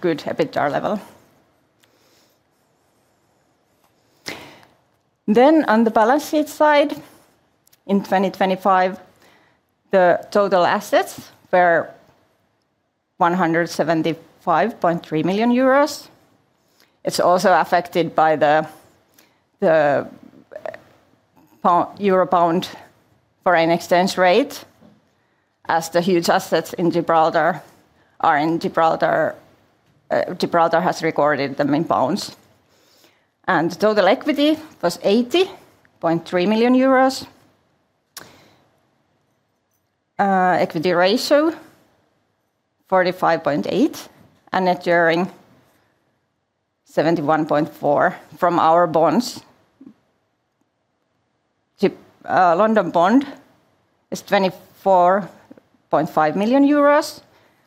good EBITDA level. On the balance sheet side, in 2025, the total assets were 175.3 million euros. It's also affected by the euro-pound foreign exchange rate, as the huge assets in Gibraltar are in Gibraltar. Gibraltar has recorded them in pounds. Total equity was 80.3 million euros. Equity ratio, 45.8%, and maturing 71.4 million from our bonds. The London bond is 24.5 million euros,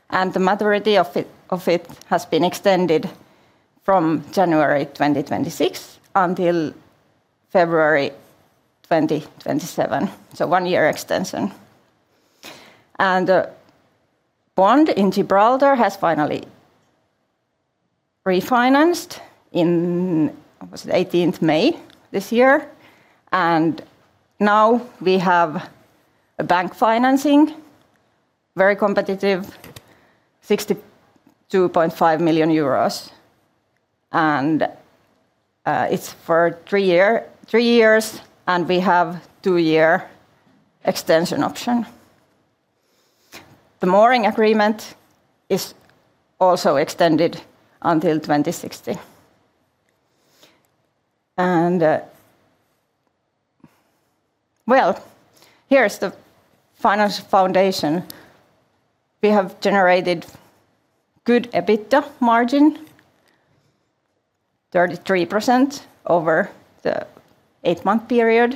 and the maturity of it has been extended from January 2026 until February 2027, so a one-year extension. The bond in Gibraltar has finally refinanced in, was it 18th May, this year? Now we have a bank financing, very competitive, EUR 62.5 million. It is for three years, and we have a two-year extension option. The mooring agreement is also extended until 2060. Well, here is the financial foundation. We have generated good EBITDA margin, 33% over the eight-month period,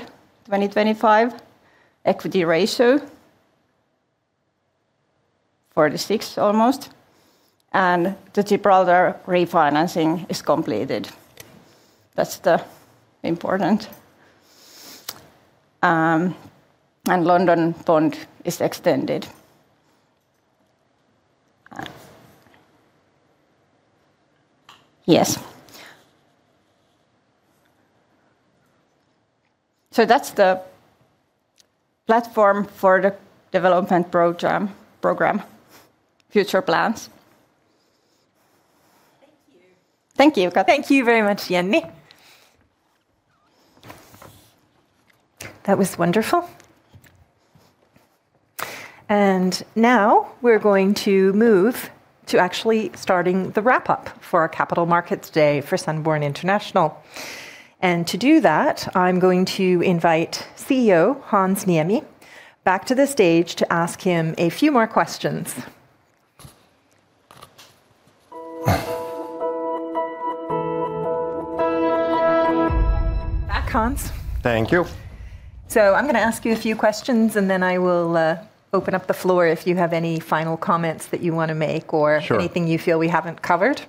2025. Equity ratio, almost 46%. The Gibraltar refinancing is completed. That is the important part. The London bond is extended. Yes. That is the platform for the development program, future plans. Thank you. Thank you. Thank you very much, Jenni. That was wonderful. Now, we are going to move to actually starting the wrap-up for our Capital Markets Day for Sunborn International. To do that, I am going to invite CEO Hans Niemi back to the stage to ask him a few more questions. Back, Hans. Thank you. I'm going to ask you a few questions, and then I will open up the floor if you have any final comments that you want to make. anything you feel we haven't covered.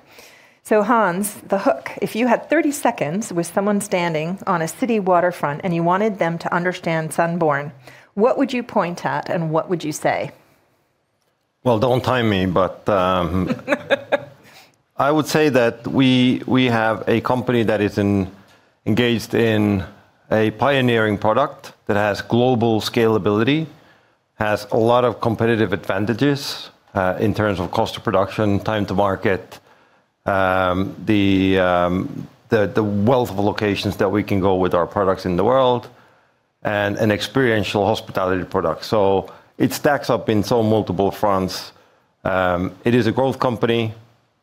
Hans, the hook, if you had 30 seconds with someone standing on a city waterfront and you wanted them to understand Sunborn, what would you point at and what would you say? Don't time me. I would say that we have a company that is engaged in a pioneering product that has global scalability, has a lot of competitive advantages, in terms of cost of production, time to market, the wealth of locations that we can go with our products in the world, and an experiential hospitality product. It stacks up in so multiple fronts. It is a growth company.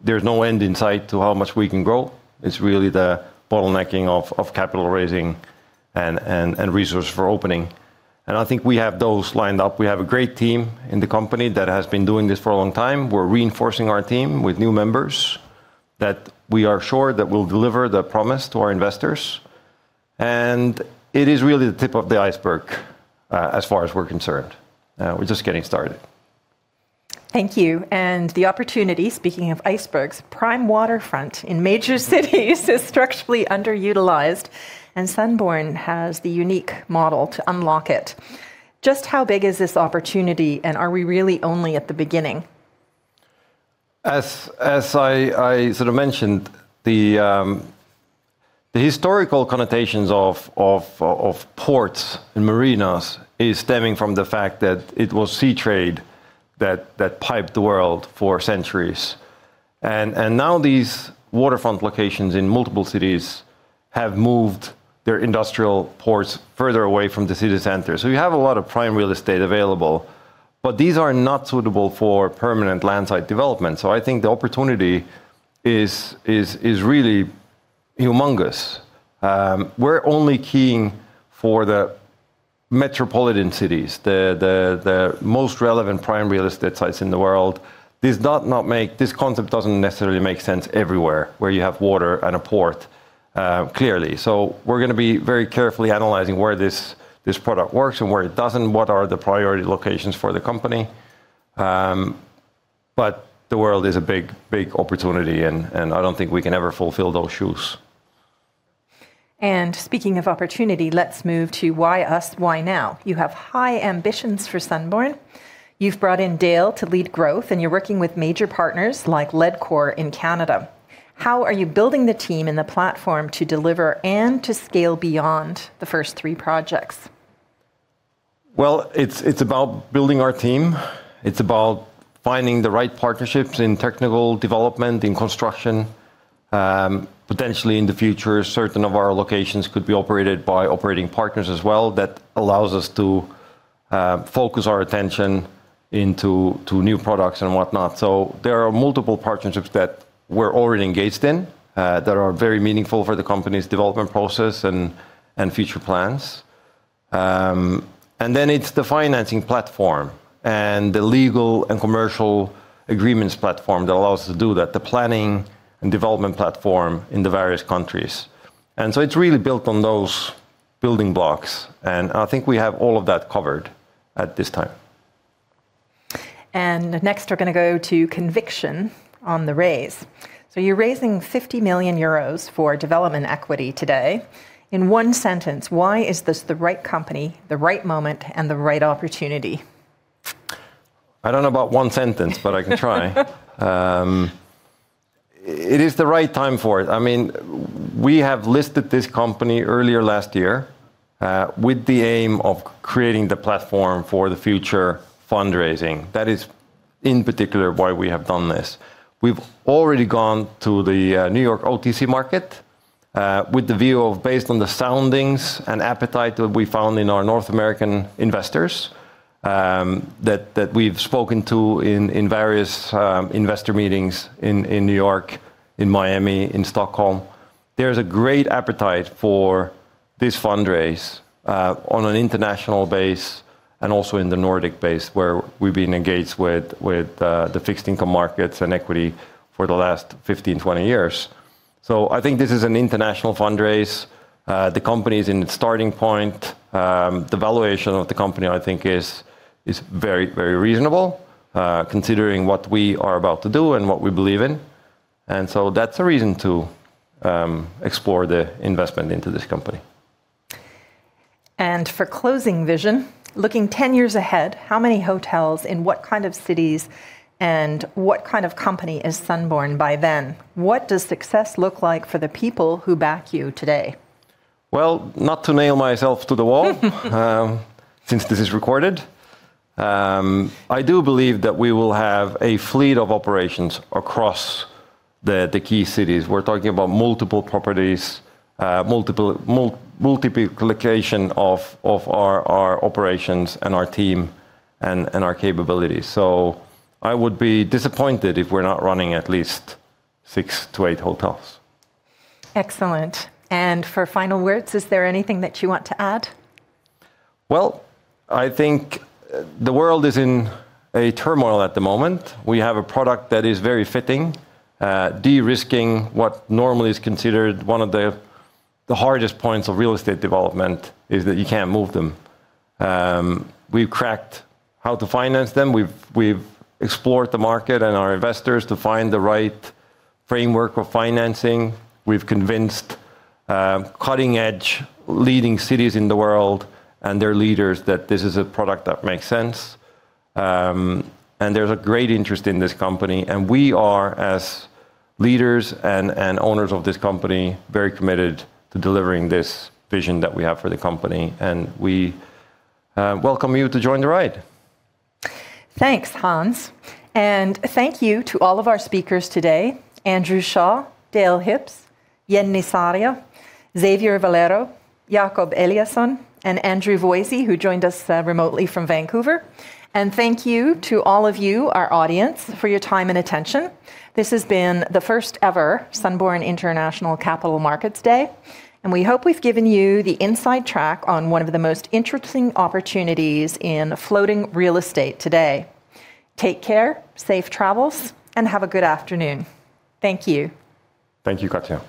There's no end in sight to how much we can grow. It's really the bottlenecking of capital raising and resource for opening. I think we have those lined up. We have a great team in the company that has been doing this for a long time. We're reinforcing our team with new members that we are sure that will deliver the promise to our investors. It is really the tip of the iceberg, as far as we're concerned. We're just getting started. Thank you. The opportunity, speaking of icebergs, prime waterfront in major cities is structurally underutilized, and Sunborn has the unique model to unlock it. Just how big is this opportunity, and are we really only at the beginning? As I sort of mentioned, the historical connotations of ports and marinas is stemming from the fact that it was sea trade that piped the world for centuries. Now these waterfront locations in multiple cities have moved their industrial ports further away from the city center. You have a lot of prime real estate available, but these are not suitable for permanent landside development. I think the opportunity is really humongous. We're only keying for the metropolitan cities, the most relevant prime real estate sites in the world. This concept doesn't necessarily make sense everywhere where you have water and a port, clearly. We're going to be very carefully analyzing where this product works and where it doesn't, what are the priority locations for the company. The world is a big opportunity, and I don't think we can ever fulfill those shoes. Speaking of opportunity, let's move to why us, why now? You have high ambitions for Sunborn. You've brought in Dale to lead growth, and you're working with major partners like Ledcor in Canada. How are you building the team and the platform to deliver and to scale beyond the first three projects? Well, it's about building our team. It's about finding the right partnerships in technical development, in construction. Potentially in the future, certain of our locations could be operated by operating partners as well. That allows us to focus our attention into new products and whatnot. There are multiple partnerships that we're already engaged in, that are very meaningful for the company's development process and future plans. Then it's the financing platform and the legal and commercial agreements platform that allows us to do that, the planning and development platform in the various countries. So it's really built on those building blocks, and I think we have all of that covered at this time. Next we're going to go to conviction on the raise. You're raising 50 million euros for development equity today. In one sentence, why is this the right company, the right moment, and the right opportunity? I don't know about one sentence, but I can try. It is the right time for it. We have listed this company earlier last year with the aim of creating the platform for the future fundraising. That is, in particular, why we have done this. We've already gone to the New York OTC market with the view of based on the soundings and appetite that we found in our North American investors that we've spoken to in various investor meetings in New York, in Miami, in Stockholm. There's a great appetite for this fundraise on an international base and also in the Nordic base where we've been engaged with the fixed income markets and equity for the last 15, 20 years. I think this is an international fundraise. The company's in its starting point. The valuation of the company, I think, is very reasonable considering what we are about to do and what we believe in. So that's a reason to explore the investment into this company. For closing vision, looking 10 years ahead, how many hotels, in what kind of cities, and what kind of company is Sunborn by then? What does success look like for the people who back you today? Well, not to nail myself to the wall, since this is recorded. I do believe that we will have a fleet of operations across the key cities. We're talking about multiple properties, multiplication of our operations and our team and our capabilities. I would be disappointed if we're not running at least six to eight hotels. Excellent. For final words, is there anything that you want to add? Well, I think the world is in a turmoil at the moment. We have a product that is very fitting, de-risking what normally is considered one of the hardest points of real estate development is that you can't move them. We've cracked how to finance them. We've explored the market and our investors to find the right framework for financing. We've convinced cutting-edge leading cities in the world and their leaders that this is a product that makes sense. There's a great interest in this company, and we are, as leaders and owners of this company, very committed to delivering this vision that we have for the company. We welcome you to join the ride. Thanks, Hans. Thank you to all of our speakers today, Andrew Shaw, Dale Hipsh, Jenni Saario, Xavier Valero, Jakob Eliasson, and Andrew Voysey, who joined us remotely from Vancouver. Thank you to all of you, our audience, for your time and attention. This has been the first ever Sunborn International Capital Markets Day. We hope we've given you the inside track on one of the most interesting opportunities in floating real estate today. Take care, safe travels, and have a good afternoon. Thank you. Thank you, Katja.